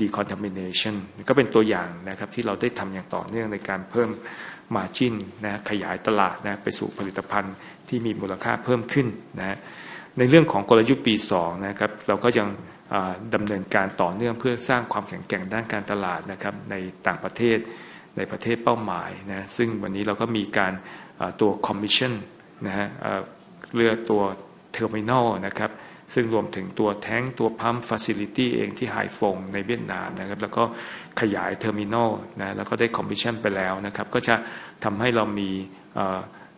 Decontamination ก็เป็นตัวอย่างนะครับที่เราได้ทำอย่างต่อเนื่องในการเพิ่ม Margin นะครับขยายตลาดนะครับไปสู่ผลิตภัณฑ์ที่มีมูลค่าเพิ่มขึ้นนะครับในเรื่องของกลยุทธ์ V2 นะครับเราก็ยังดำเนินการต่อเนื่องเพื่อสร้างความแข็งแกร่งด้านการตลาดนะครับในต่างประเทศในประเทศเป้าหมายนะครับซึ่งวันนี้เราก็มีการตัว Commission นะครับเรือตัว Terminal นะครับซึ่งรวมถึงตัว Tank ตัว Pump Facility เองที่ Hai Phong ในเวียดนามนะครับแล้วก็ขยาย Terminal นะครับแล้วก็ได้ Commission ไปแล้วนะครับก็จะทำให้เรามี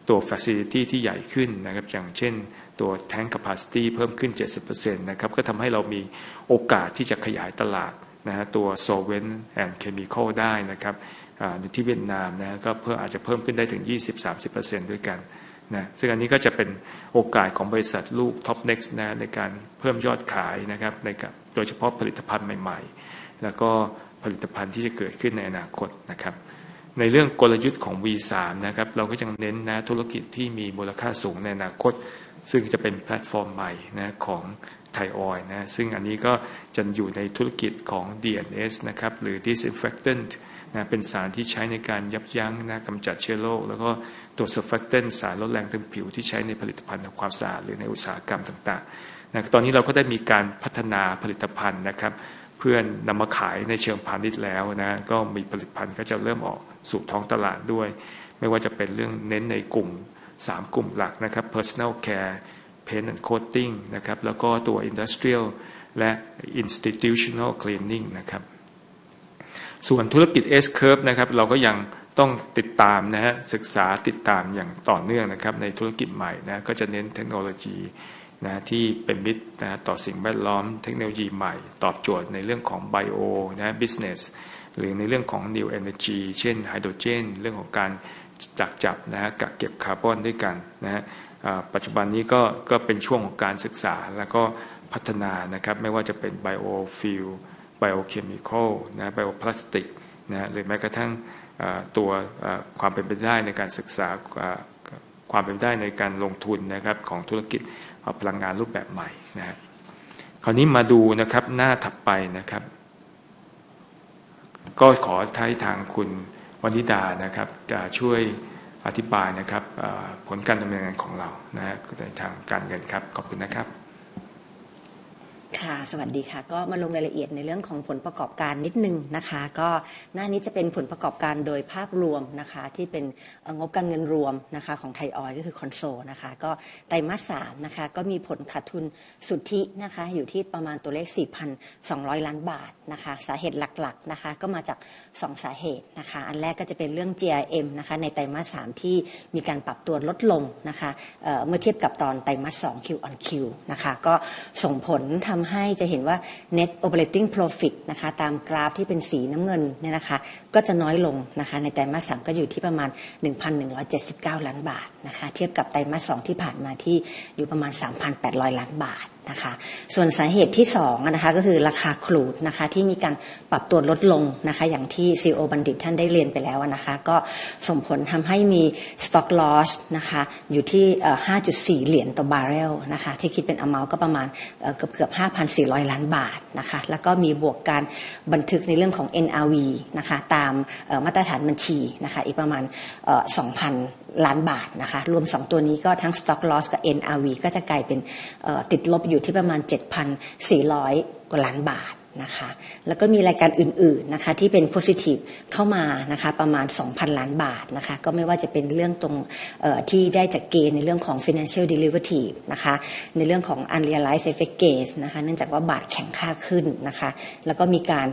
ตัว Facility ที่ใหญ่ขึ้นนะครับอย่างเช่นตัว Tank Capacity เพิ่มขึ้น 70% นะครับก็ทำให้เรามีโอกาสที่จะขยายตลาดนะครับตัว Solvent and Chemical ได้นะครับในที่เวียดนามนะครับก็เพื่ออาจจะเพิ่มขึ้นได้ถึง 20-30% ด้วยกันนะครับซึ่งอันนี้ก็จะเป็นโอกาสของบริษัทลูก TOP Next นะครับในการเพิ่มยอดขายนะครับในการโดยเฉพาะผลิตภัณฑ์ใหม่ๆแล้วก็ผลิตภัณฑ์ที่จะเกิดขึ้นในอนาคตนะครับในเรื่องกลยุทธ์ของ V3 นะครับเราก็ยังเน้นนะครับธุรกิจที่มีมูลค่าสูงในอนาคตซึ่งจะเป็นแพลตฟอร์มใหม่นะครับของ Thai Oil นะครับซึ่งอันนี้ก็จะอยู่ในธุรกิจของ DNS นะครับหรือ Disinfectant นะครับเป็นสารที่ใช้ในการยับยั้งนะครับกำจัดเชื้อโรคแล้วก็ตัว Surfactant สารลดแรงตึงผิวที่ใช้ในผลิตภัณฑ์ทำความสะอาดหรือในอุตสาหกรรมต่างๆนะครับตอนนี้เราก็ได้มีการพัฒนาผลิตภัณฑ์นะครับเพื่อนำมาขายในเชิงพาณิชย์แล้วนะครับก็มีผลิตภัณฑ์ก็จะเริ่มออกสู่ท้องตลาดด้วยไม่ว่าจะเป็นเรื่องเน้นในกลุ่ม3กลุ่มหลักนะครับ Personal Care, Paint and Coating นะครับแล้วก็ตัว Industrial และ Institutional Cleaning นะครับส่วนธุรกิจ S-Curve นะครับเราก็ยังต้องติดตามนะครับศึกษาติดตามอย่างต่อเนื่องนะครับในธุรกิจใหม่นะครับก็จะเน้นเทคโนโลยีนะครับที่เป็นมิตรนะครับต่อสิ่งแวดล้อมเทคโนโลยีใหม่ตอบโจทย์ในเรื่องของ Bio นะครับ Business หรือในเรื่องของ New Energy เช่นไฮโดรเจนเรื่องของการดักจับนะครับกักเก็บคาร์บอนด้วยกันนะครับปัจจุบันนี้ก็เป็นช่วงของการศึกษาแล้วก็พัฒนานะครับไม่ว่าจะเป็น Biofuel Biochemical นะครับ Bioplastic นะครับหรือแม้กระทั่งตัวความเป็นไปได้ในการศึกษาความเป็นไปได้ในการลงทุนนะครับของธุรกิจพลังงานรูปแบบใหม่นะครับคราวนี้มาดูนะครับหน้าถัดไปนะครับก็ขอใช้ทางคุณวนิดานะครับจะช่วยอธิบายนะครับผลการดำเนินงานของเรานะครับในทางการเงินครับขอบคุณนะครับค่ะสวัสดีค่ะก็มาลงรายละเอียดในเรื่องของผลประกอบการนิดหนึ่งนะคะก็หน้านี้จะเป็นผลประกอบการโดยภาพรวมนะคะที่เป็นงบการเงินรวมนะคะของ Thai Oil ก็คือ Consolidated นะคะก็ไตรมาส3นะคะก็มีผลขาดทุนสุทธินะคะอยู่ที่ประมาณตัวเลข 4,200 ล้านบาทนะคะสาเหตุหลักๆนะคะก็มาจาก2สาเหตุนะคะอันแรกก็จะเป็นเรื่อง GRM นะคะในไตรมาส3ที่มีการปรับตัวลดลงนะคะเมื่อเทียบกับตอนไตรมาส2 Q on Q นะคะก็ส่งผลทำให้จะเห็นว่า Net Operating Profit นะคะตามกราฟที่เป็นสีน้ำเงินนี่นะคะก็จะน้อยลงนะคะในไตรมาส3ก็อยู่ที่ประมาณ 1,179 ล้านบาทนะคะเทียบกับไตรมาส2ที่ผ่านมาที่อยู่ประมาณ 3,800 ล้านบาทนะคะส่วนสาเหตุที่2นะคะก็คือราคาครูดนะคะที่มีการปรับตัวลดลงนะคะอย่างที่ CEO บัณฑิตท่านได้เรียนไปแล้วนะคะก็ส่งผลทำให้มี Stock Loss นะคะอยู่ที่ $5.4 ต่อบาร์เรลนะคะที่คิดเป็น Amount ก็ประมาณเกือบๆ 5,400 ล้านบาทนะคะแล้วก็มีบวกการบันทึกในเรื่องของ NRV นะคะตามมาตรฐานบัญชีนะคะอีกประมาณ 2,000 ล้านบาทนะคะรวม2ตัวนี้ก็ทั้ง Stock Loss กับ NRV ก็จะกลายเป็นติดลบอยู่ที่ประมาณ 7,400 กว่าล้านบาทนะคะแล้วก็มีรายการอื่นๆนะคะที่เป็น Positive เข้ามานะคะประมาณ 2,000 ล้านบาทนะคะก็ไม่ว่าจะเป็นเรื่องตรงที่ได้จากเกณฑ์ในเรื่องของ Financial Derivative นะคะในเรื่องของ Unrealized FX Gains นะคะเนื่องจากว่าบาทแข็งค่าขึ้นนะคะแล้วก็มีการ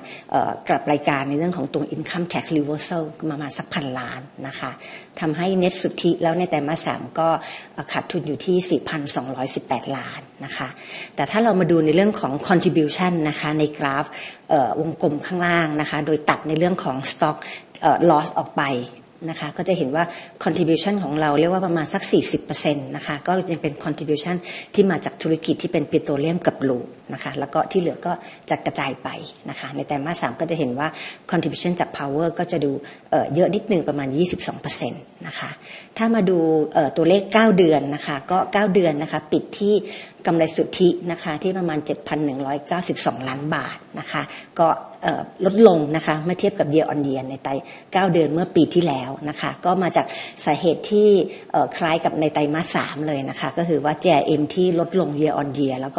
กลับรายการในเรื่องของตัว Income Tax Reversal ประมาณสักพันล้านนะคะทำให้ Net สุทธิแล้วในไตรมาส3ก็ขาดทุนอยู่ที่ 4,218 ล้านนะคะแต่ถ้าเรามาดูในเรื่องของ Contribution นะคะในกราฟวงกลมข้างล่างนะคะโดยตัดในเรื่องของ Stock Loss ออกไปนะคะก็จะเห็นว่า Contribution ของเราเรียกว่าประมาณสัก 40% นะคะก็ยังเป็น Contribution ที่มาจากธุรกิจที่เป็น Petroleum กับ Lube นะคะแล้วก็ที่เหลือก็จะกระจายไปนะคะในไตรมาส3ก็จะเห็นว่า Contribution จาก Power ก็จะดูเยอะนิดหนึ่งประมาณ 22% นะคะถ้ามาดูตัวเลข9เดือนนะคะก็9เดือนนะคะปิดที่กำไรสุทธินะคะที่ประมาณ 7,192 ล้านบาทนะคะก็ลดลงนะคะเมื่อเทียบกับ Year on Year ในไตร9เดือนเมื่อปีที่แล้วนะคะก็มาจากสาเหตุที่คล้ายกับในไตรมาส3เลยนะคะก็คือว่า GRM ที่ลดลง Year on Year แล้ว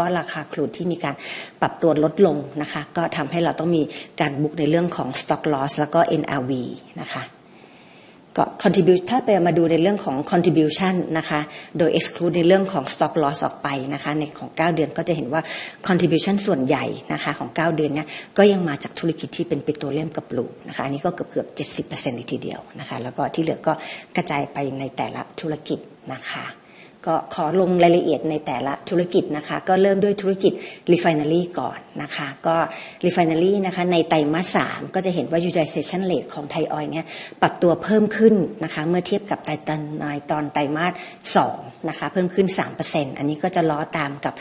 ก็ราคาครูดที่มีการปรับตัวลดลงนะคะก็ทำให้เราต้องมีการบุ๊กในเรื่องของ Stock Loss แล้วก็ NRV นะคะก็ Contribution ถ้าไปมาดูในเรื่องของ Contribution นะคะโดย Exclude ในเรื่องของ Stock Loss ออกไปนะคะในของ9เดือนก็จะเห็นว่า Contribution ส่วนใหญ่นะคะของ9เดือนนี้ก็ยังมาจากธุรกิจที่เป็น Petroleum กับ Lube นะคะอันนี้ก็เกือบๆ 70% เลยทีเดียวนะคะแล้วก็ที่เหลือก็กระจายไปในแต่ละธุรกิจนะคะก็ขอลงรายละเอียดในแต่ละธุรกิจนะคะก็เริ่มด้วยธุรกิจ Refinery ก่อนนะคะก็ Refinery นะคะในไตรมาส3ก็จะเห็นว่า Utilization Rate ของ Thai Oil นี้ปรับตัวเพิ่มขึ้นนะคะเมื่อเทียบกับไตรมาส2นะคะเพิ่มขึ้น 3% อันนี้ก็จะล้อตามกับ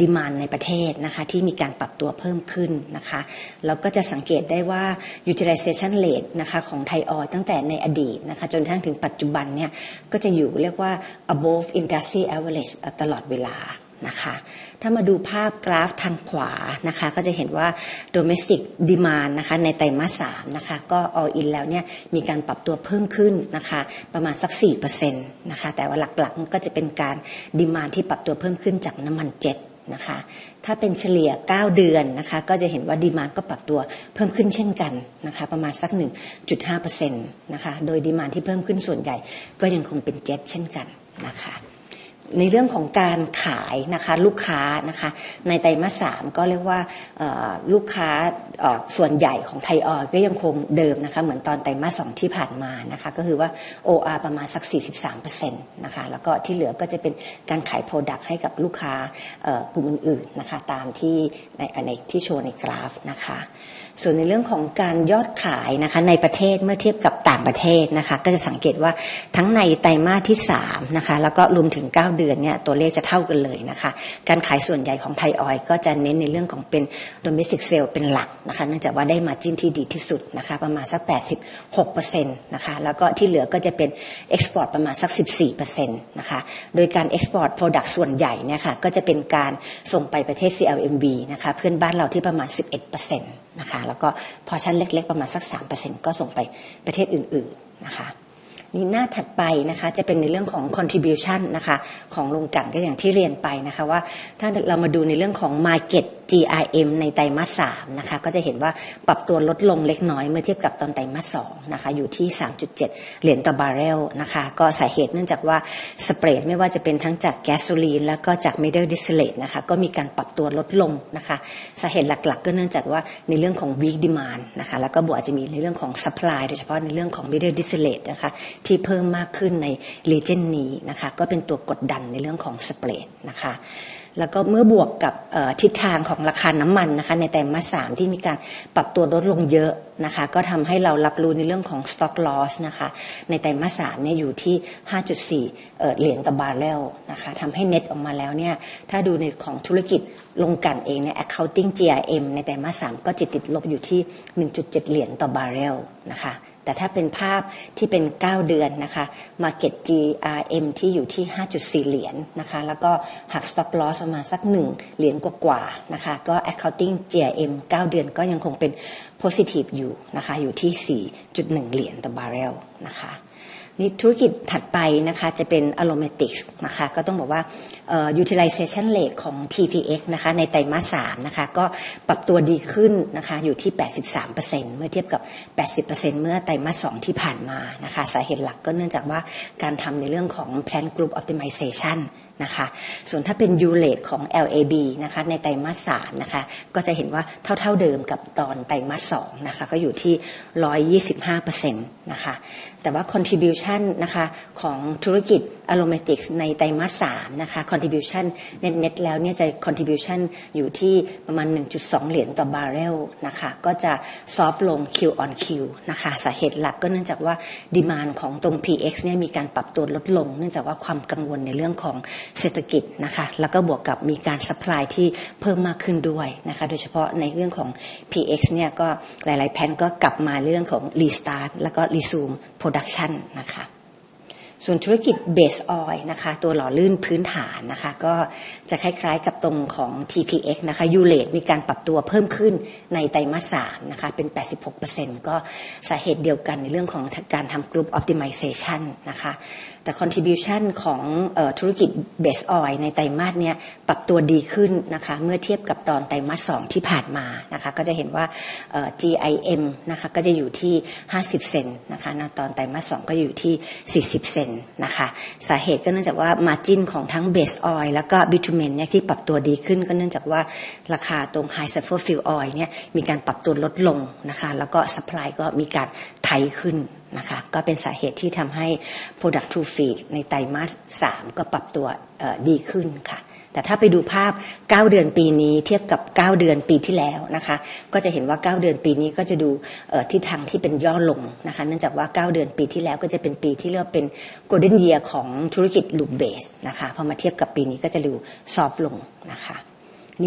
Demand ในประเทศนะคะที่มีการปรับตัวเพิ่มขึ้นนะคะแล้วก็จะสังเกตได้ว่า Utilization Rate นะคะของ Thai Oil ตั้งแต่ในอดีตนะคะจนกระทั่งถึงปัจจุบันนี้ก็จะอยู่เรียกว่า Above Industry Average ตลอดเวลานะคะถ้ามาดูภาพกราฟทางขวานะคะก็จะเห็นว่า Domestic Demand นะคะในไตรมาส3นะคะก็ All in แล้วนี้มีการปรับตัวเพิ่มขึ้นนะคะประมาณสัก 4% นะคะแต่ว่าหลักๆก็จะเป็นการ Demand ที่ปรับตัวเพิ่มขึ้นจากน้ำมันเจ็ทนะคะถ้าเป็นเฉลี่ย9เดือนนะคะก็จะเห็นว่า Demand ก็ปรับตัวเพิ่มขึ้นเช่นกันนะคะประมาณสัก 1.5% นะคะโดย Demand ที่เพิ่มขึ้นส่วนใหญ่ก็ยังคงเป็นเจ็ทเช่นกันนะคะในเรื่องของการขายนะคะลูกค้านะคะในไตรมาส3ก็เรียกว่าลูกค้าส่วนใหญ่ของ Thai Oil ก็ยังคงเดิมนะคะเหมือนตอนไตรมาส2ที่ผ่านมานะคะก็คือว่า OR ประมาณสัก 43% นะคะแล้วก็ที่เหลือก็จะเป็นการขาย Product ให้กับลูกค้ากลุ่มอื่นๆนะคะตามที่ในที่โชว์ในกราฟนะคะส่วนในเรื่องของการยอดขายนะคะในประเทศเมื่อเทียบกับต่างประเทศนะคะก็จะสังเกตว่าทั้งในไตรมาสที่3นะคะแล้วก็รวมถึง9เดือนนี้ตัวเลขจะเท่ากันเลยนะคะการขายส่วนใหญ่ของ Thai Oil ก็จะเน้นในเรื่องของเป็น Domestic Sale เป็นหลักนะคะเนื่องจากว่าได้ Margin ที่ดีที่สุดนะคะประมาณสัก 86% นะคะแล้วก็ที่เหลือก็จะเป็น Export ประมาณสัก 14% นะคะโดยการ Export Product ส่วนใหญ่นี่ค่ะก็จะเป็นการส่งไปประเทศ CLMV นะคะเพื่อนบ้านเราที่ประมาณ 11% นะคะแล้วก็ Portion เล็กๆประมาณสัก 3% ก็ส่งไปประเทศอื่นๆนะคะนี่หน้าถัดไปนะคะจะเป็นในเรื่องของ Contribution นะคะของโรงกลั่นก็อย่างที่เรียนไปนะคะว่าถ้าเรามาดูในเรื่องของ Market GRM ในไตรมาส3นะคะก็จะเห็นว่าปรับตัวลดลงเล็กน้อยเมื่อเทียบกับตอนไตรมาส2นะคะอยู่ที่ $3.7 ต่อบาร์เรลนะคะก็สาเหตุเนื่องจากว่า Spread ไม่ว่าจะเป็นทั้งจาก Gasoline แล้วก็จาก Middle Distillate นะคะก็มีการปรับตัวลดลงนะคะสาเหตุหลักๆก็เนื่องจากว่าในเรื่องของ Weak Demand นะคะแล้วก็บวกอาจจะมีในเรื่องของ Supply โดยเฉพาะในเรื่องของ Middle Distillate นะคะที่เพิ่มมากขึ้นใน Region นี้นะคะก็เป็นตัวกดดันในเรื่องของ Spread นะคะแล้วก็เมื่อบวกกับทิศทางของราคาน้ำมันนะคะในไตรมาส3ที่มีการปรับตัวลดลงเยอะนะคะก็ทำให้เรารับรู้ในเรื่องของ Stock Loss นะคะในไตรมาส3นี้อยู่ที่ $5.4 ต่อบาร์เรลนะคะทำให้ Net ออกมาแล้วนี้ถ้าดูในของธุรกิจโรงกลั่นเอง Accounting GRM ในไตรมาส3ก็จะติดลบอยู่ที่ -$1.7 ต่อบาร์เรลนะคะแต่ถ้าเป็นภาพที่เป็น9เดือนนะคะ Market GRM ที่อยู่ที่ $5.4 นะคะแล้วก็หัก Stock Loss ประมาณสัก $1 กว่าๆนะคะก็ Accounting GRM 9เดือนก็ยังคงเป็น Positive อยู่นะคะอยู่ที่ $4.1 ต่อบาร์เรลนะคะนี่ธุรกิจถัดไปนะคะจะเป็น Aromatics นะคะก็ต้องบอกว่า Utilization Rate ของ TPX นะคะในไตรมาส3นะคะก็ปรับตัวดีขึ้นนะคะอยู่ที่ 83% เมื่อเทียบกับ 80% เมื่อไตรมาส2ที่ผ่านมานะคะสาเหตุหลักก็เนื่องจากว่าการทำในเรื่องของ Plant Group Optimization นะคะส่วนถ้าเป็น U Rate ของ LAB นะคะในไตรมาส3นะคะก็จะเห็นว่าเท่าๆเดิมกับตอนไตรมาส2นะคะก็อยู่ที่ 125% นะคะแต่ว่า Contribution นะคะของธุรกิจ Aromatics ในไตรมาส3นะคะ Contribution Net แล้วนี้จะ Contribution อยู่ที่ประมาณ $1.2 ต่อบาร์เรลนะคะก็จะ Soft ลง Q on Q นะคะสาเหตุหลักก็เนื่องจากว่า Demand ของตรง PX นี้มีการปรับตัวลดลงเนื่องจากว่าความกังวลในเรื่องของเศรษฐกิจนะคะแล้วก็บวกกับมีการ Supply ที่เพิ่มมากขึ้นด้วยนะคะโดยเฉพาะในเรื่องของ PX นี้ก็หลายๆแผนก็กลับมาในเรื่องของ Restart แล้วก็ Resume Production นะคะส่วนธุรกิจ Base Oil นะคะตัวหล่อลื่นพื้นฐานนะคะก็จะคล้ายๆกับตรงของ TPX นะคะ U Rate มีการปรับตัวเพิ่มขึ้นในไตรมาส3นะคะเป็น 86% ก็สาเหตุเดียวกันในเรื่องของการทำ Group Optimization นะคะแต่ Contribution ของธุรกิจ Base Oil ในไตรมาสนี้ปรับตัวดีขึ้นนะคะเมื่อเท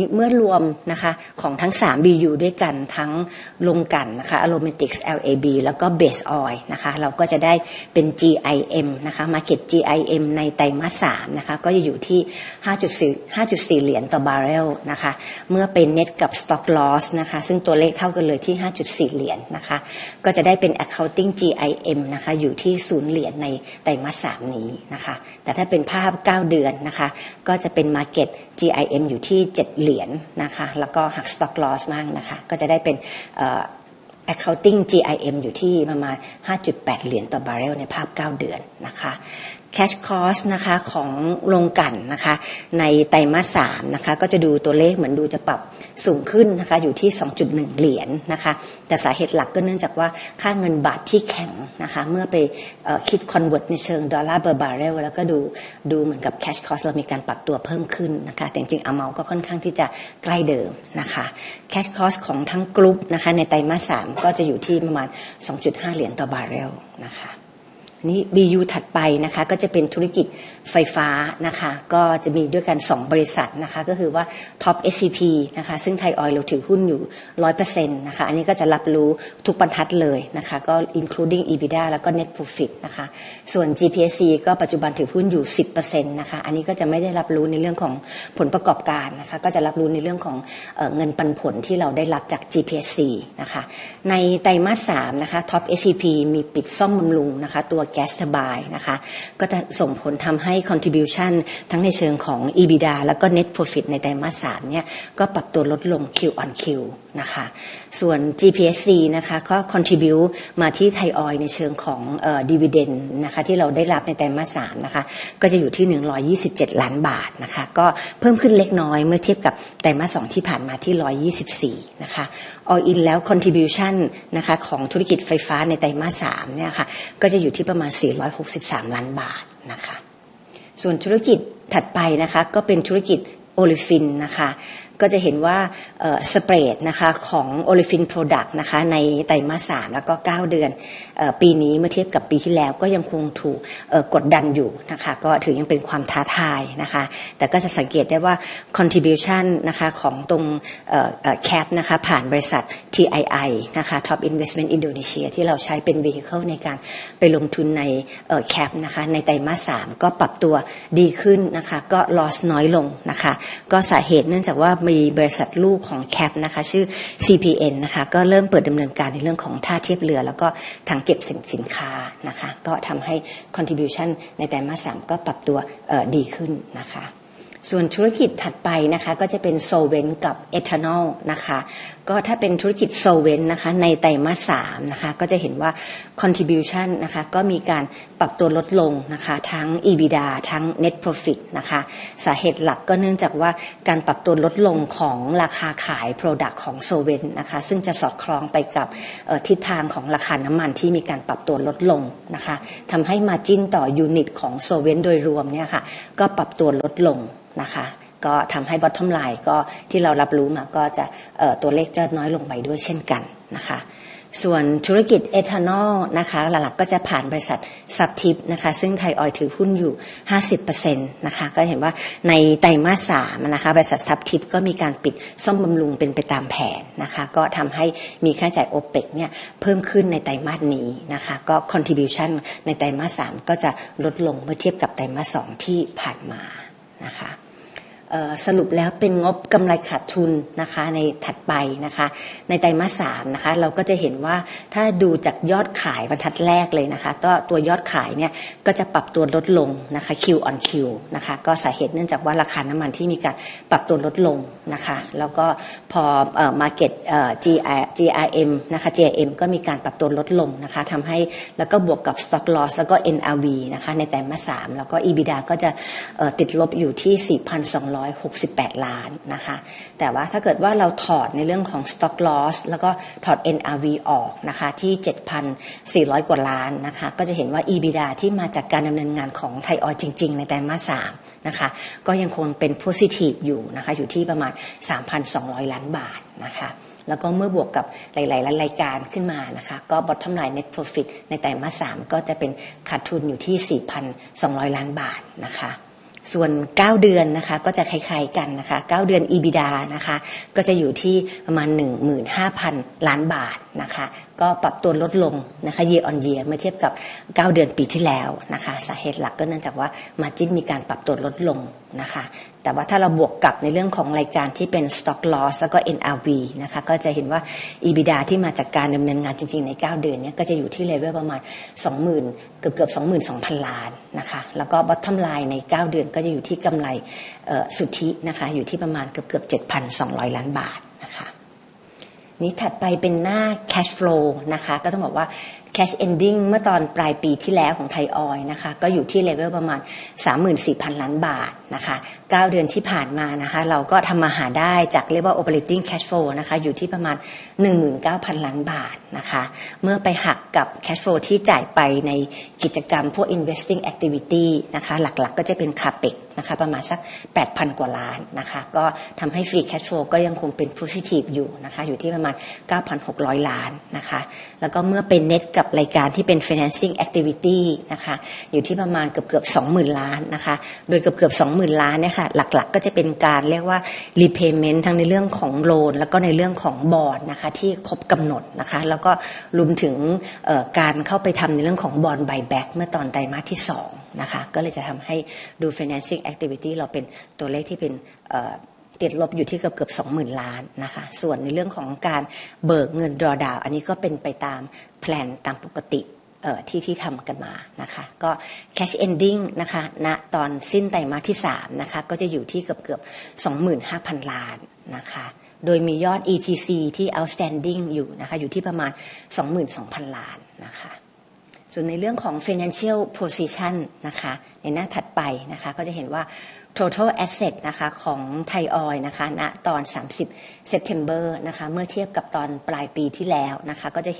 ียบกับตอนไตรมาส2ท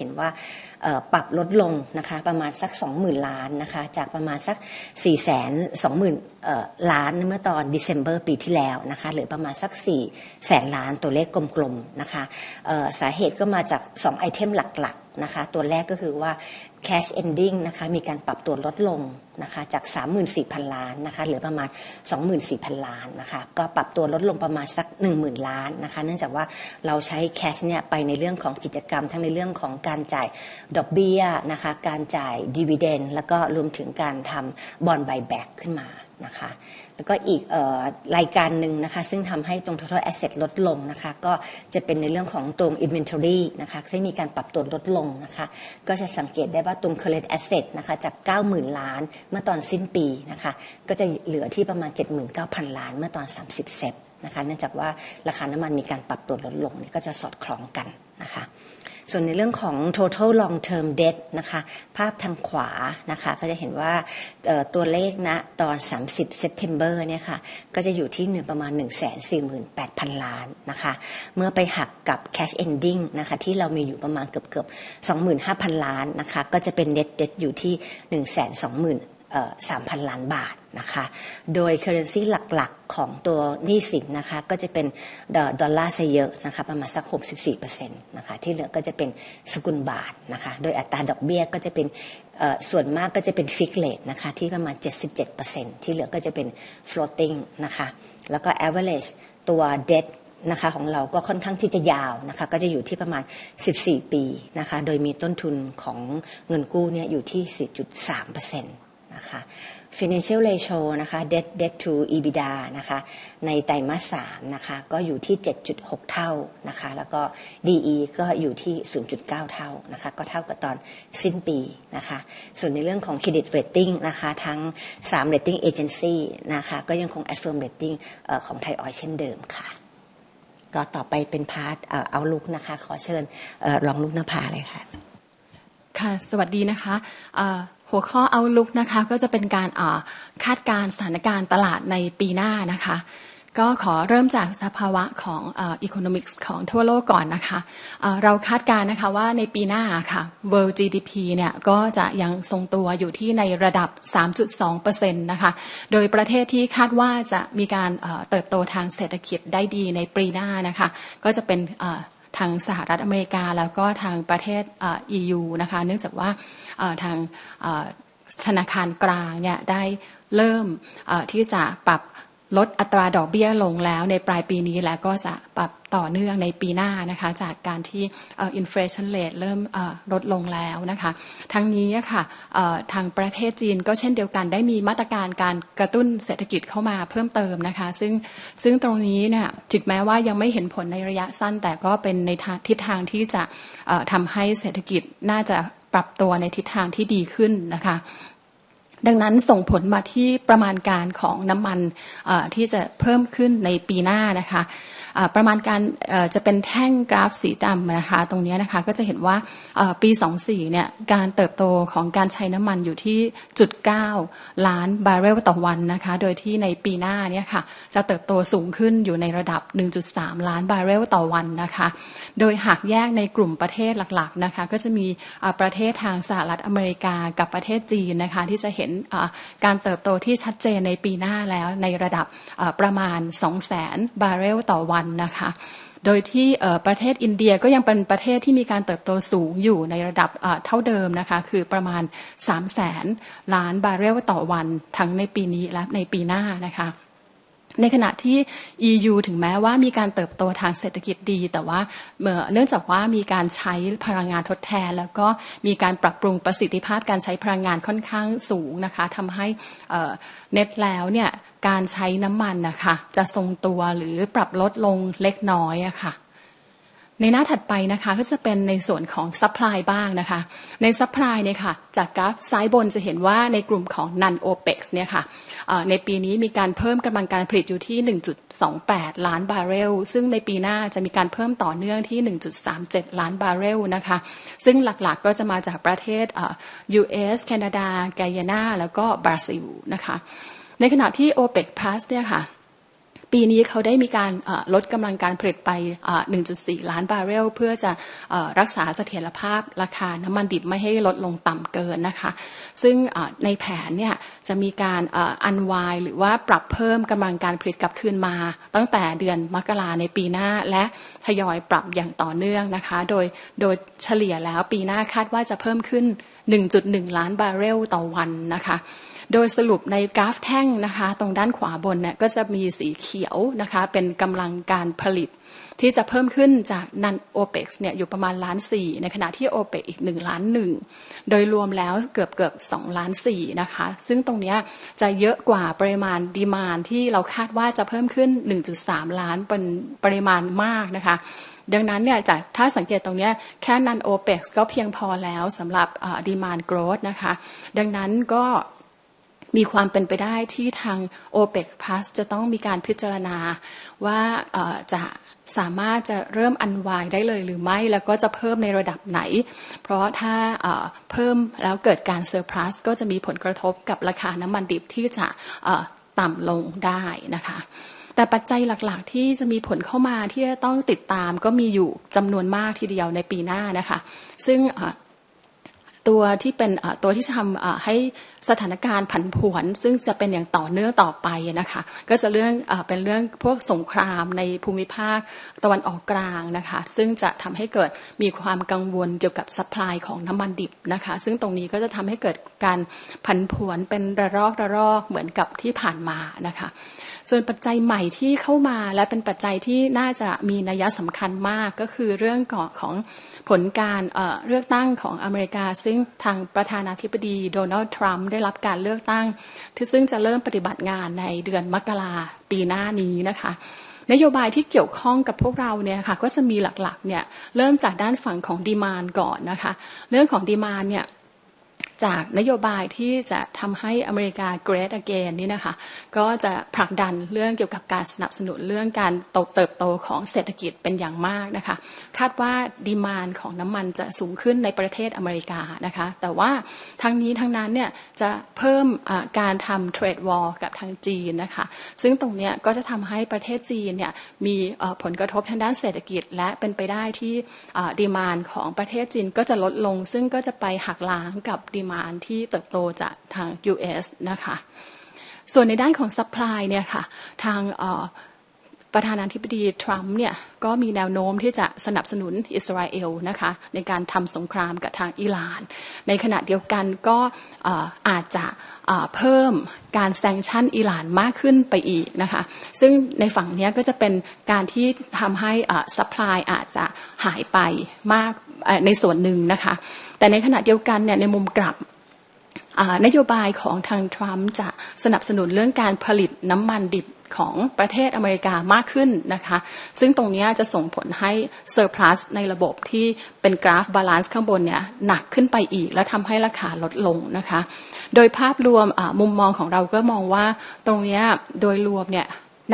ี่ผ่านมานะคะก็จะเห็นว่า GRM นะคะก็จะอยู่ที่ 50% นะคะณตอนไตรมาส2ก็จะอยู่ที่ 40% นะคะสาเหตุก็เนื่องจา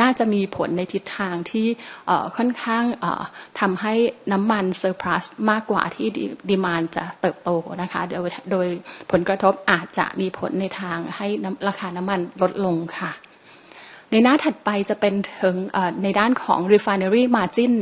กว่า Margin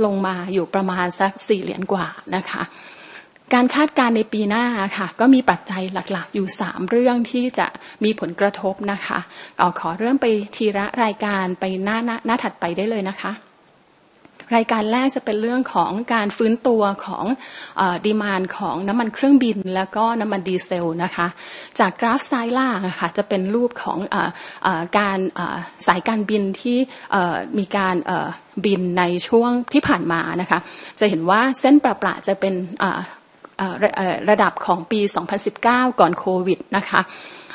ของทั้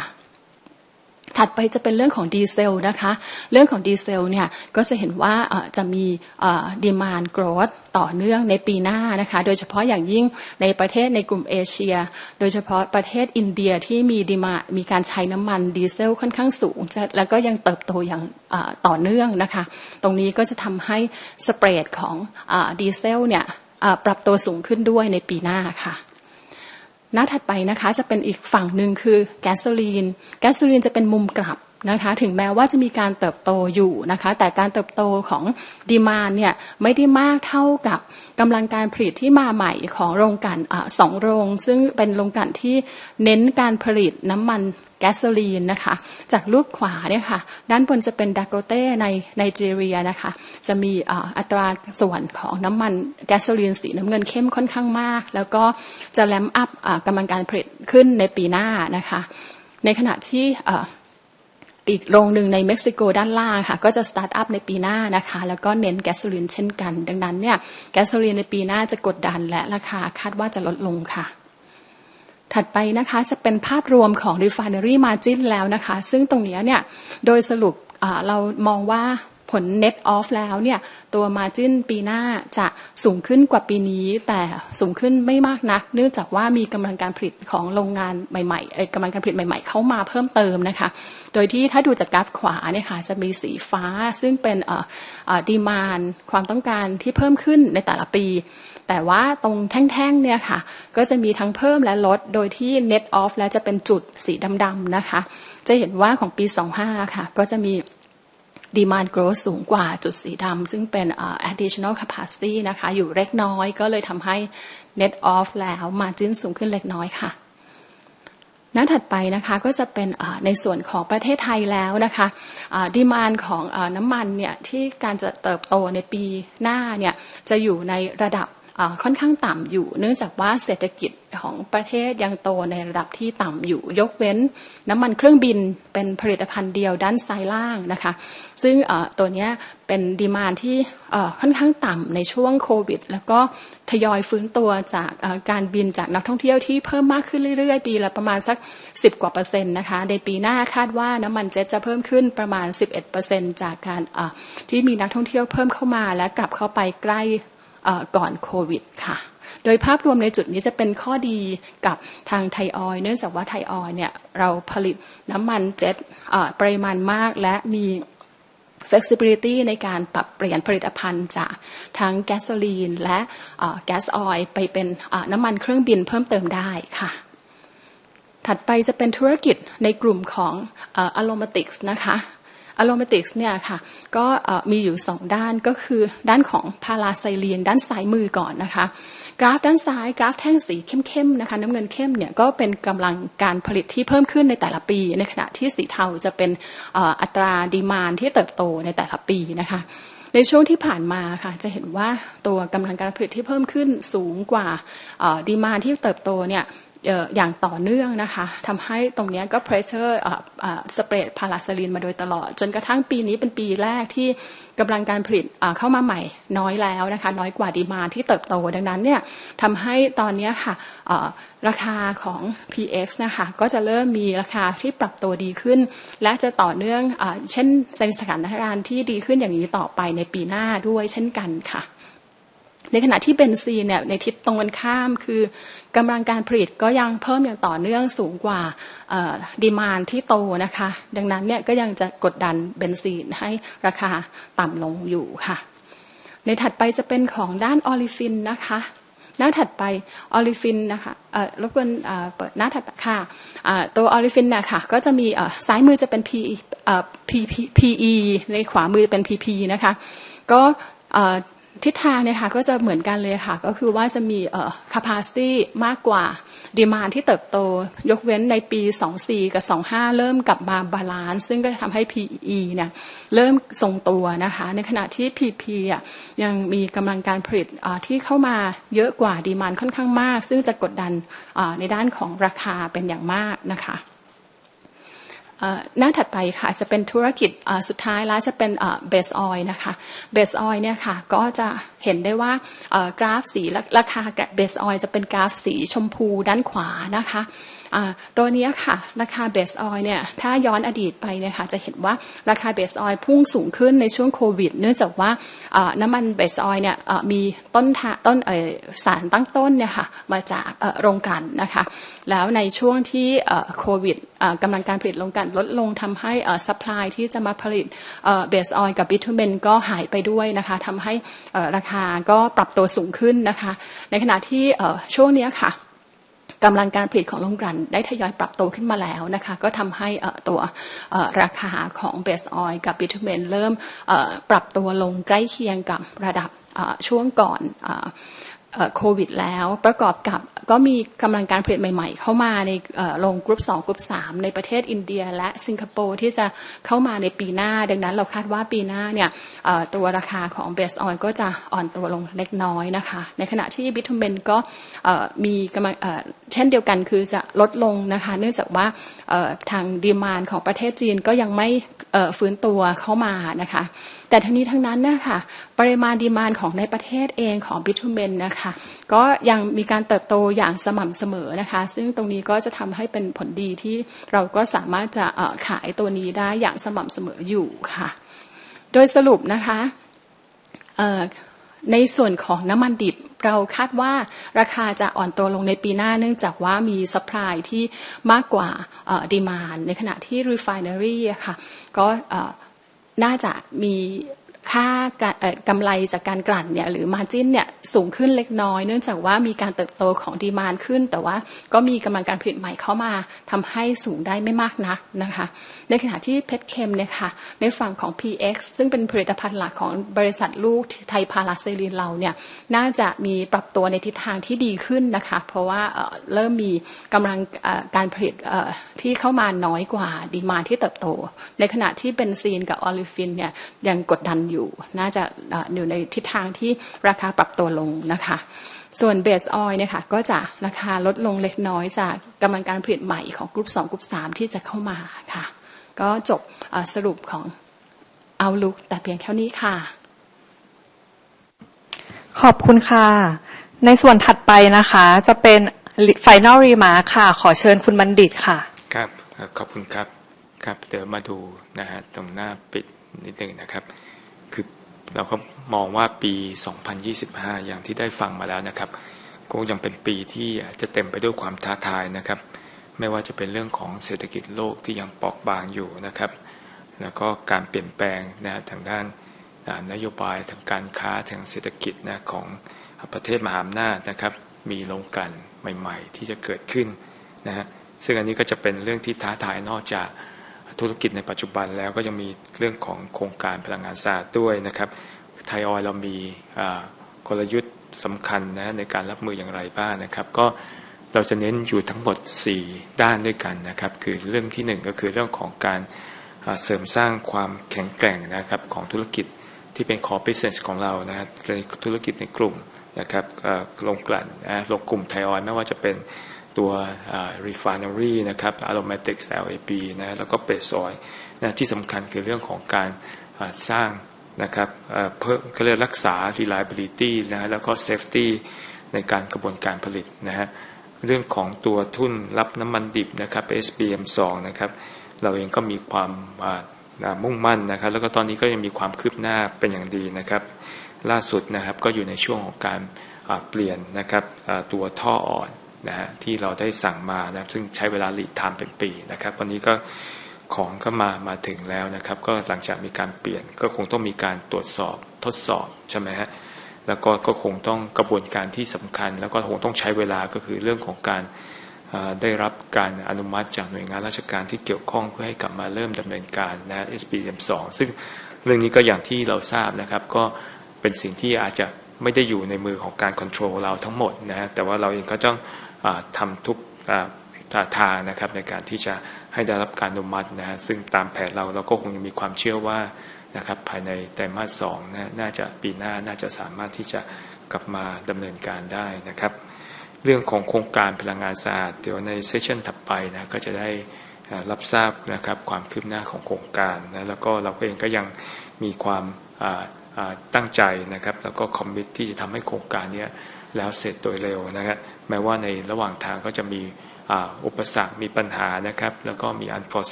ง Base Oil แล้วก็ Bitumen นี้ที